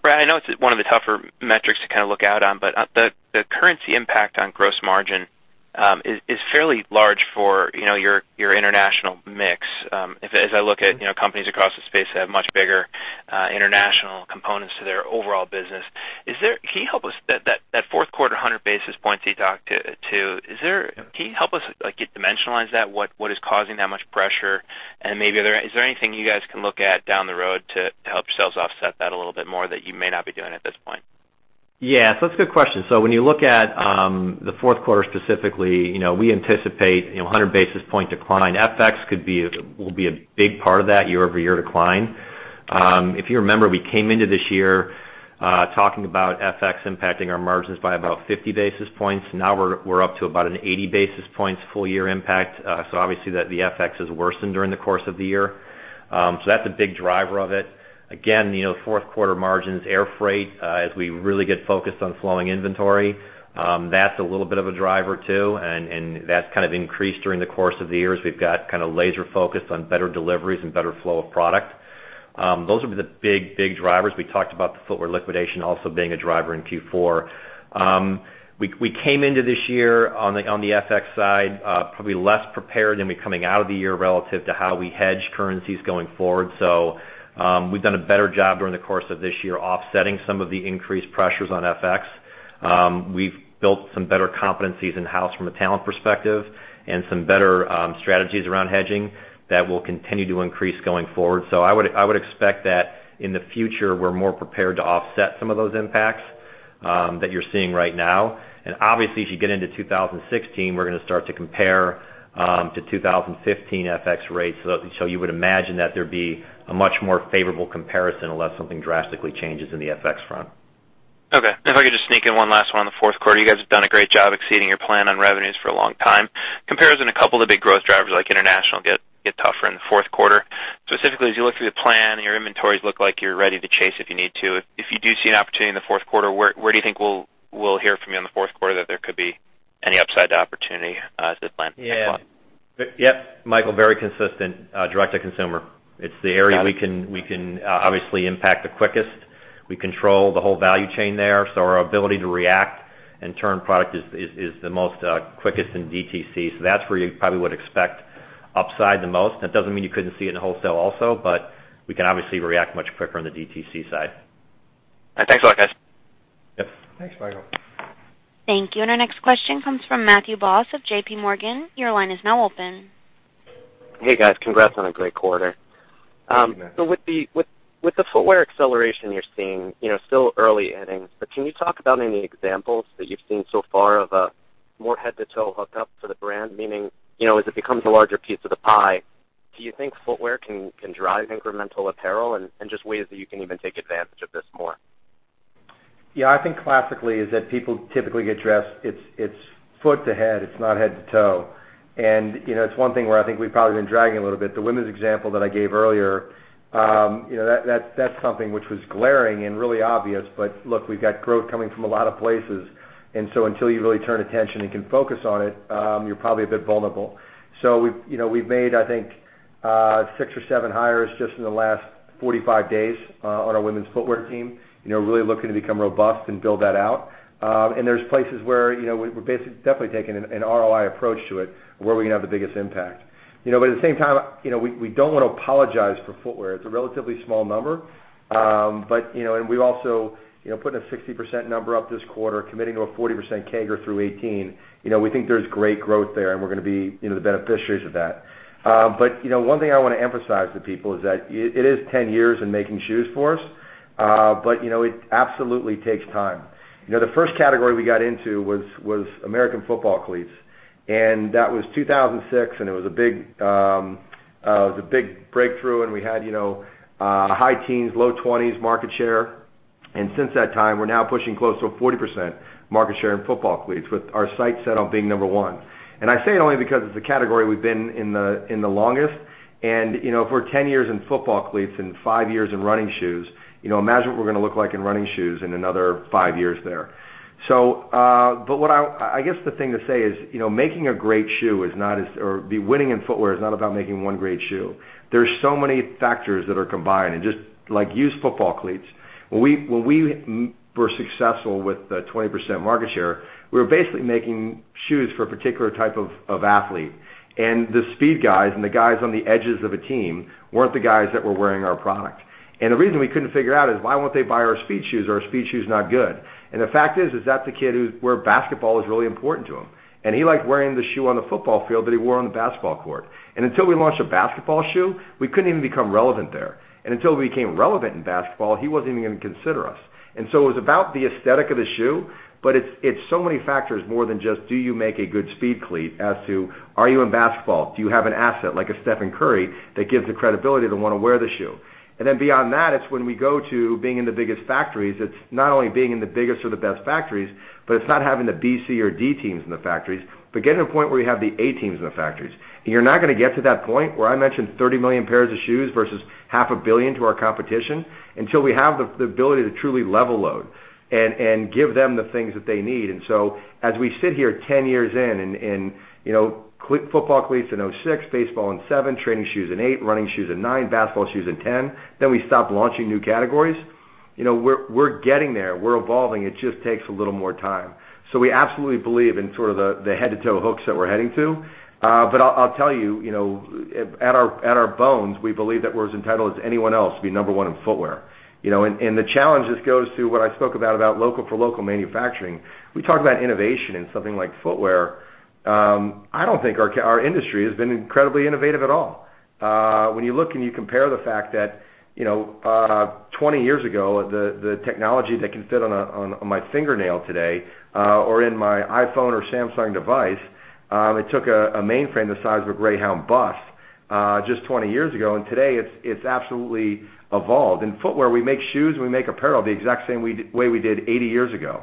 Brad, I know it's one of the tougher metrics to look out on, but the currency impact on gross margin is fairly large for your international mix. As I look at companies across the space that have much bigger international components to their overall business. That fourth quarter 100 basis points that you talked to, can you help us dimensionalize that? What is causing that much pressure? Is there anything you guys can look at down the road to help yourselves offset that a little bit more that you may not be doing at this point? Yeah. That's a good question. When you look at the fourth quarter specifically, we anticipate 100 basis point decline. FX will be a big part of that year-over-year decline. If you remember, we came into this year talking about FX impacting our margins by about 50 basis points. Now we're up to about an 80 basis points full year impact. Obviously the FX has worsened during the course of the year. That's a big driver of it. Again, fourth quarter margins, air freight, as we really get focused on flowing inventory, that's a little bit of a driver, too, and that's increased during the course of the year as we've got laser focus on better deliveries and better flow of product. Those would be the big drivers. We talked about the footwear liquidation also being a driver in Q4. We came into this year on the FX side probably less prepared than we coming out of the year relative to how we hedge currencies going forward. We've done a better job during the course of this year offsetting some of the increased pressures on FX. We've built some better competencies in-house from a talent perspective and some better strategies around hedging that will continue to increase going forward. I would expect that in the future, we're more prepared to offset some of those impacts that you're seeing right now. Obviously, as you get into 2016, we're going to start to compare to 2015 FX rates. You would imagine that there'd be a much more favorable comparison unless something drastically changes in the FX front. Okay. If I could just sneak in one last one on the fourth quarter. You guys have done a great job exceeding your plan on revenues for a long time. Comparison, a couple of the big growth drivers like international get tougher in the fourth quarter. Specifically, as you look through the plan and your inventories look like you're ready to chase if you need to. If you do see an opportunity in the fourth quarter, where do you think we'll hear from you on the fourth quarter that there could be any upside opportunity as it lands? Thanks a lot. Yep, Michael, very consistent, direct to consumer. It's the area we can obviously impact the quickest. We control the whole value chain there, so our ability to react and turn product is the most quickest in DTC. That's where you probably would expect upside the most. That doesn't mean you couldn't see it in wholesale also, but we can obviously react much quicker on the DTC side. Thanks a lot, guys. Yep. Thanks, Michael. Thank you. Our next question comes from Matthew Boss of JPMorgan. Your line is now open. Hey, guys. Congrats on a great quarter. Thank you, Matt. With the footwear acceleration you're seeing, still early innings, but can you talk about any examples that you've seen so far of a more head-to-toe hookup to the brand? Meaning, as it becomes a larger piece of the pie, do you think footwear can drive incremental apparel and just ways that you can even take advantage of this more? Yeah, I think classically, is that people typically get dressed, it's foot to head, it's not head to toe. It's one thing where I think we've probably been dragging a little bit. The women's example that I gave earlier, that's something which was glaring and really obvious, but look, we've got growth coming from a lot of places. Until you really turn attention and can focus on it, you're probably a bit vulnerable. We've made, I think, six or seven hires just in the last 45 days on our women's footwear team, really looking to become robust and build that out. There's places where, we're basic-- definitely taking an ROI approach to it, where we're going to have the biggest impact. At the same time, we don't want to apologize for footwear. It's a relatively small number. We also putting a 60% number up this quarter, committing to a 40% CAGR through 2018. We think there's great growth there, and we're going to be the beneficiaries of that. One thing I want to emphasize to people is that it is 10 years in making shoes for us. It absolutely takes time. The first category we got into was American football cleats. That was 2006, and it was a big breakthrough, and we had high teens, low 20s market share. Since that time, we're now pushing close to a 40% market share in football cleats with our sights set on being number one. I say it only because it's the category we've been in the longest. If we're 10 years in football cleats and five years in running shoes, imagine what we're going to look like in running shoes in another five years there. I guess the thing to say is, making a great shoe is not as-- or winning in footwear is not about making one great shoe. There's so many factors that are combined and just, like used football cleats. When we were successful with the 20% market share, we were basically making shoes for a particular type of athlete, and the speed guys and the guys on the edges of a team weren't the guys that were wearing our product. The reason we couldn't figure out is, why won't they buy our speed shoes? Are our speed shoes not good? The fact is that the kid who-- where basketball is really important to him, and he liked wearing the shoe on the football field that he wore on the basketball court. Until we launched a basketball shoe, we couldn't even become relevant there. Until we became relevant in basketball, he wasn't even going to consider us. It was about the aesthetic of the shoe, but it's so many factors more than just do you make a good speed cleat as to, are you in basketball? Do you have an asset like a Stephen Curry that gives the credibility to want to wear the shoe? Beyond that, it's when we go to being in the biggest factories. It's not only being in the biggest or the best factories, but it's not having the B, C, or D teams in the factories, but getting to a point where you have the A teams in the factories. You're not going to get to that point where I mentioned 30 million pairs of shoes versus half a billion to our competition, until we have the ability to truly level load and give them the things that they need. As we sit here 10 years in and football cleats in 2006, baseball in 2007, training shoes in 2008, running shoes in 2009, basketball shoes in 2010, then we stop launching new categories. We're getting there. We're evolving. It just takes a little more time. We absolutely believe in sort of the head-to-toe hooks that we're heading to. I'll tell you, at our bones, we believe that we're as entitled as anyone else to be number one in footwear. The challenge just goes to what I spoke about local for local manufacturing. We talk about innovation in something like footwear. I don't think our industry has been incredibly innovative at all. When you look and you compare the fact that, 20 years ago, the technology that can fit on my fingernail today or in my iPhone or Samsung device, it took a mainframe the size of a Greyhound bus, just 20 years ago. Today it's absolutely evolved. In footwear, we make shoes, and we make apparel the exact same way we did 80 years ago.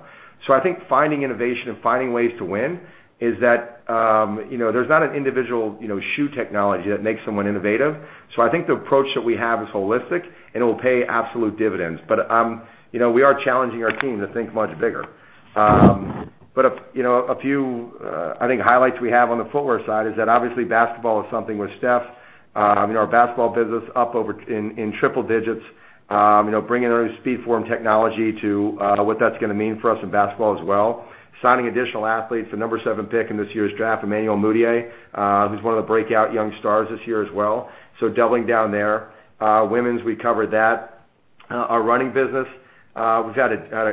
I think finding innovation and finding ways to win is that there's not an individual shoe technology that makes someone innovative. I think the approach that we have is holistic, and it'll pay absolute dividends. We are challenging our team to think much bigger. A few, I think, highlights we have on the footwear side is that obviously basketball is something with Steph. Our basketball business up over in triple digits, bringing our SpeedForm technology to what that's going to mean for us in basketball as well. Signing additional athletes, the number 7 pick in this year's draft, Emmanuel Mudiay, who's one of the breakout young stars this year as well, so doubling down there. Women's, we covered that. Our running business. We've had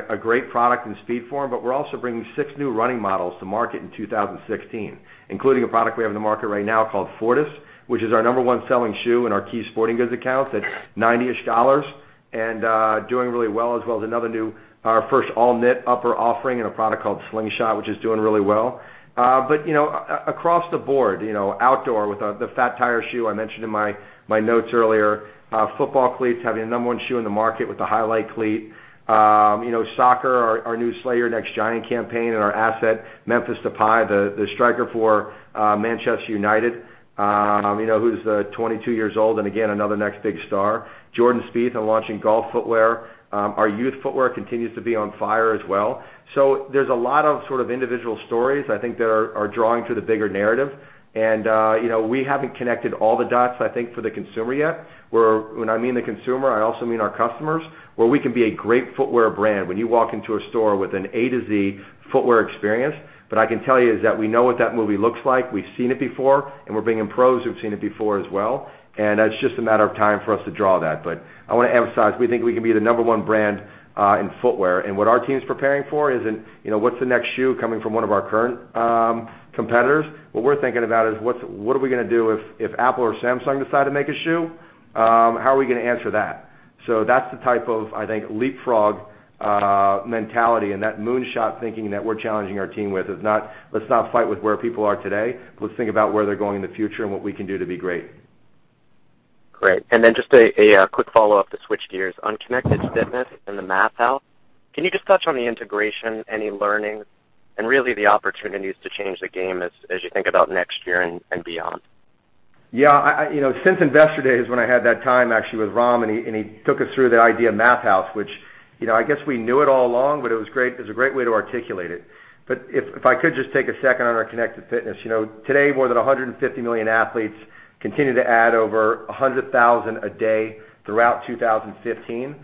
a great product in SpeedForm, but we're also bringing 6 new running models to market in 2016, including a product we have in the market right now called Fortis, which is our number 1 selling shoe in our key sporting goods accounts at $90-ish and doing really well. As well as another new, our first all-knit upper offering in a product called Slingshot, which is doing really well. Across the board, outdoor with the Fat Tire shoe I mentioned in my notes earlier. Football cleats, having the number 1 shoe in the market with the Highlight cleat. Soccer, our new Slay the Next Giant campaign and our asset, Memphis Depay, the striker for Manchester United, who's 22 years old, and again, another next big star. Jordan Spieth on launching golf footwear. Our youth footwear continues to be on fire as well. There's a lot of individual stories, I think, that are drawing to the bigger narrative. We haven't connected all the dots, I think, for the consumer yet. When I mean the consumer, I also mean our customers, where we can be a great footwear brand when you walk into a store with an A to Z footwear experience. I can tell you is that we know what that movie looks like. We've seen it before, and we're bringing in pros who've seen it before as well, and it's just a matter of time for us to draw that. I want to emphasize, we think we can be the number 1 brand in footwear. What our team's preparing for isn't, what's the next shoe coming from one of our current competitors? What we're thinking about is, what are we going to do if Apple or Samsung decide to make a shoe? How are we going to answer that? That's the type of, I think, leapfrog mentality and that moonshot thinking that we're challenging our team with. Let's not fight with where people are today. Let's think about where they're going in the future and what we can do to be great. Great. Just a quick follow-up to switch gears. On connected fitness and the Math House, can you just touch on the integration, any learnings, and really the opportunities to change the game as you think about next year and beyond? Yeah. Since Investor Day is when I had that time actually with Ram, and he took us through the idea of Math House, which I guess we knew it all along, but it was a great way to articulate it. If I could just take a second on our connected fitness. Today, more than 150 million athletes continue to add over 100,000 a day throughout 2015,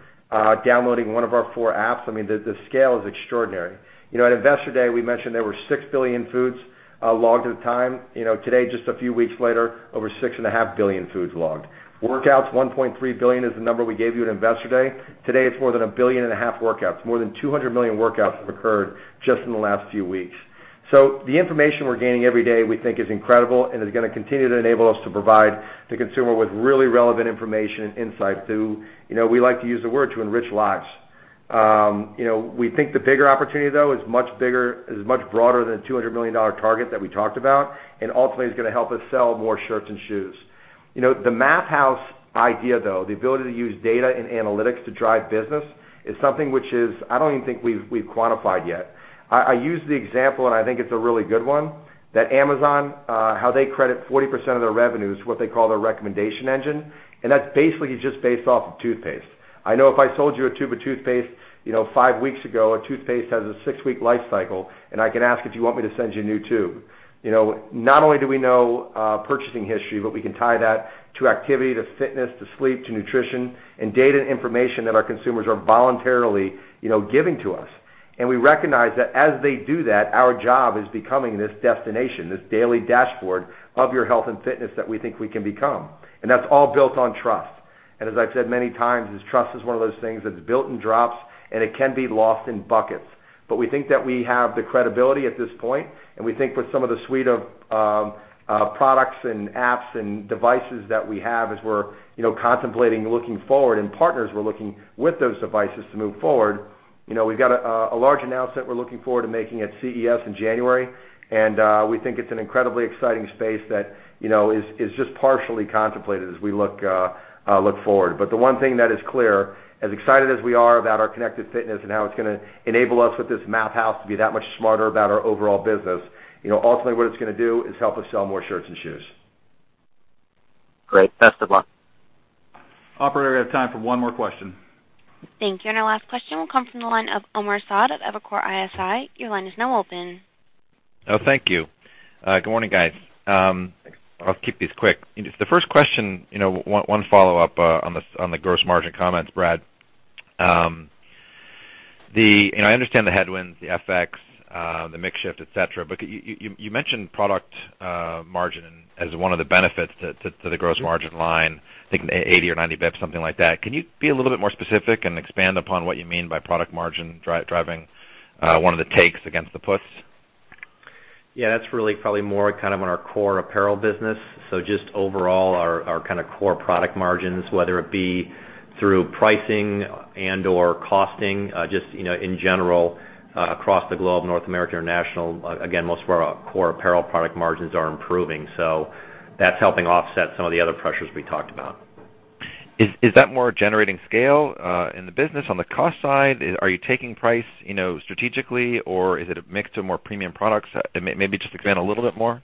downloading one of our four apps. The scale is extraordinary. At Investor Day, we mentioned there were 6 billion foods logged at the time. Today, just a few weeks later, over 6.5 billion foods logged. Workouts, 1.3 billion is the number we gave you at Investor Day. Today, it's more than 1.5 billion workouts. More than 200 million workouts have occurred just in the last few weeks. The information we're gaining every day we think is incredible and is going to continue to enable us to provide the consumer with really relevant information and insight to, we like to use the word, to enrich lives. We think the bigger opportunity, though, is much broader than the $200 million target that we talked about, and ultimately is going to help us sell more shirts and shoes. The Math House idea, though, the ability to use data and analytics to drive business is something which is, I don't even think we've quantified yet. I use the example, and I think it's a really good one, that Amazon, how they credit 40% of their revenue is what they call their recommendation engine, and that's basically just based off of toothpaste. I know if I sold you a tube of toothpaste five weeks ago, a toothpaste has a six-week life cycle, and I can ask if you want me to send you a new tube. Not only do we know purchasing history, but we can tie that to activity, to fitness, to sleep, to nutrition, and data information that our consumers are voluntarily giving to us. We recognize that as they do that, our job is becoming this destination, this daily dashboard of your health and fitness that we think we can become. That's all built on trust. As I've said many times is trust is one of those things that's built in drops, and it can be lost in buckets. We think that we have the credibility at this point, and we think with some of the suite of products and apps and devices that we have as we're contemplating looking forward, and partners we're looking with those devices to move forward. We've got a large announcement we're looking forward to making at CES in January, and we think it's an incredibly exciting space that is just partially contemplated as we look forward. The one thing that is clear, as excited as we are about our connected fitness and how it's going to enable us with this Math House to be that much smarter about our overall business, ultimately what it's going to do is help us sell more shirts and shoes. Great. Best of luck. Operator, I have time for one more question. Thank you. Our last question will come from the line of Omar Saad of Evercore ISI. Your line is now open. Thank you. Good morning, guys. I'll keep this quick. The first question, one follow-up on the gross margin comments, Brad. I understand the headwinds, the FX, the mix shift, et cetera, but you mentioned product margin as one of the benefits to the gross margin line, I think 80 or 90 basis points, something like that. Can you be a little bit more specific and expand upon what you mean by product margin driving one of the takes against the puts? Yeah, that's really probably more on our core apparel business. Just overall our core product margins, whether it be through pricing and/or costing, just in general, across the globe, North America, international. Again, most of our core apparel product margins are improving. That's helping offset some of the other pressures we talked about. Is that more generating scale in the business on the cost side? Are you taking price strategically, or is it a mix to more premium products? Maybe just expand a little bit more.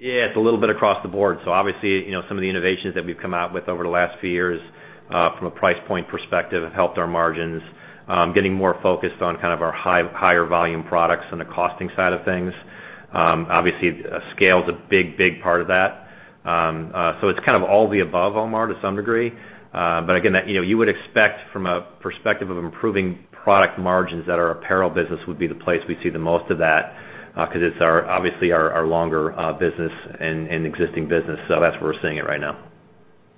Yeah, it's a little bit across the board. Obviously, some of the innovations that we've come out with over the last few years from a price point perspective have helped our margins. Getting more focused on our higher volume products on the costing side of things. Obviously, scale is a big part of that. It's all the above, Omar, to some degree. Again, you would expect from a perspective of improving product margins that our apparel business would be the place we see the most of that because it's obviously our longer business and existing business. That's where we're seeing it right now.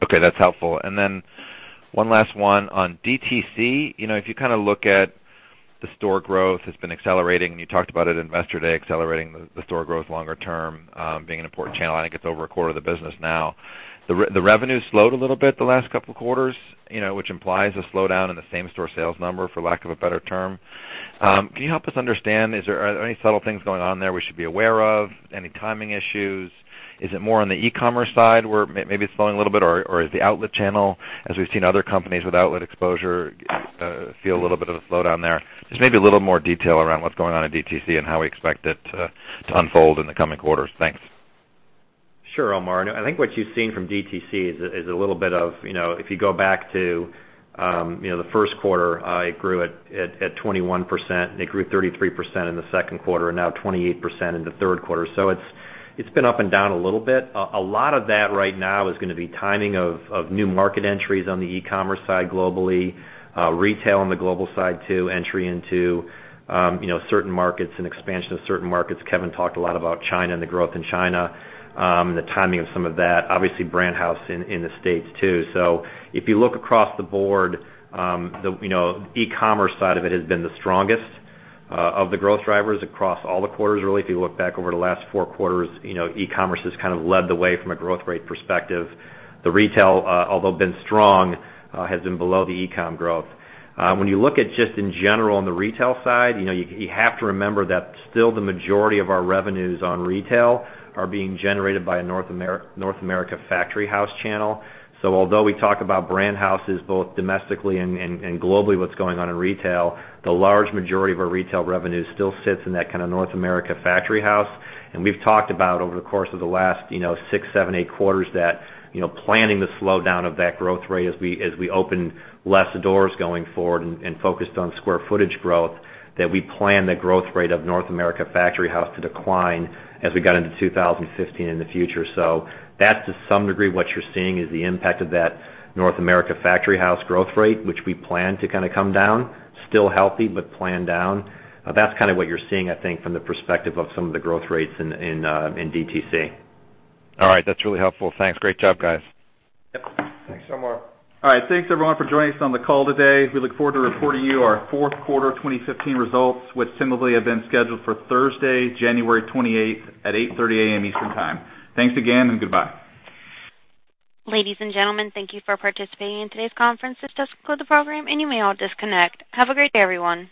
Okay, that's helpful. One last one on DTC. If you look at the store growth, it's been accelerating, and you talked about it at Investor Day, accelerating the store growth longer term, being an important channel. I think it's over a quarter of the business now. The revenue slowed a little bit the last couple of quarters, which implies a slowdown in the same store sales number, for lack of a better term. Can you help us understand, are there any subtle things going on there we should be aware of? Any timing issues? Is it more on the e-commerce side where maybe it's slowing a little bit? Is the outlet channel, as we've seen other companies with outlet exposure, feel a little bit of a slowdown there? Just maybe a little more detail around what's going on in DTC and how we expect it to unfold in the coming quarters. Thanks. Sure, Omar. I think what you've seen from DTC is a little bit of, if you go back to the first quarter, it grew at 21%, and it grew 33% in the second quarter, and now 28% in the third quarter. It's been up and down a little bit. A lot of that right now is going to be timing of new market entries on the e-commerce side globally. Retail on the global side too, entry into certain markets and expansion of certain markets. Kevin talked a lot about China and the growth in China, the timing of some of that. Obviously, Brand House in the States, too. If you look across the board, the e-commerce side of it has been the strongest of the growth drivers across all the quarters, really. If you look back over the last four quarters, e-commerce has led the way from a growth rate perspective. The retail, although been strong, has been below the e-com growth. When you look at just in general on the retail side, you have to remember that still the majority of our revenues on retail are being generated by a North America Factory House channel. Although we talk about Brand Houses both domestically and globally, what's going on in retail, the large majority of our retail revenue still sits in that North America Factory House. We've talked about over the course of the last six, seven, eight quarters that planning the slowdown of that growth rate as we open less doors going forward and focused on square footage growth, that we plan the growth rate of North America Factory House to decline as we got into 2015 in the future. So to some degree, what you're seeing is the impact of that North America Factory House growth rate, which we plan to come down. Still healthy, but plan down. That's what you're seeing, I think, from the perspective of some of the growth rates in DTC. All right. That's really helpful. Thanks. Great job, guys. Yep. Thanks, Omar. All right. Thanks everyone for joining us on the call today. We look forward to reporting you our fourth quarter 2015 results, which similarly have been scheduled for Thursday, January 28th at 8:30 A.M. Eastern Time. Thanks again, and goodbye. Ladies and gentlemen, thank you for participating in today's conference. This does conclude the program and you may all disconnect. Have a great day, everyone.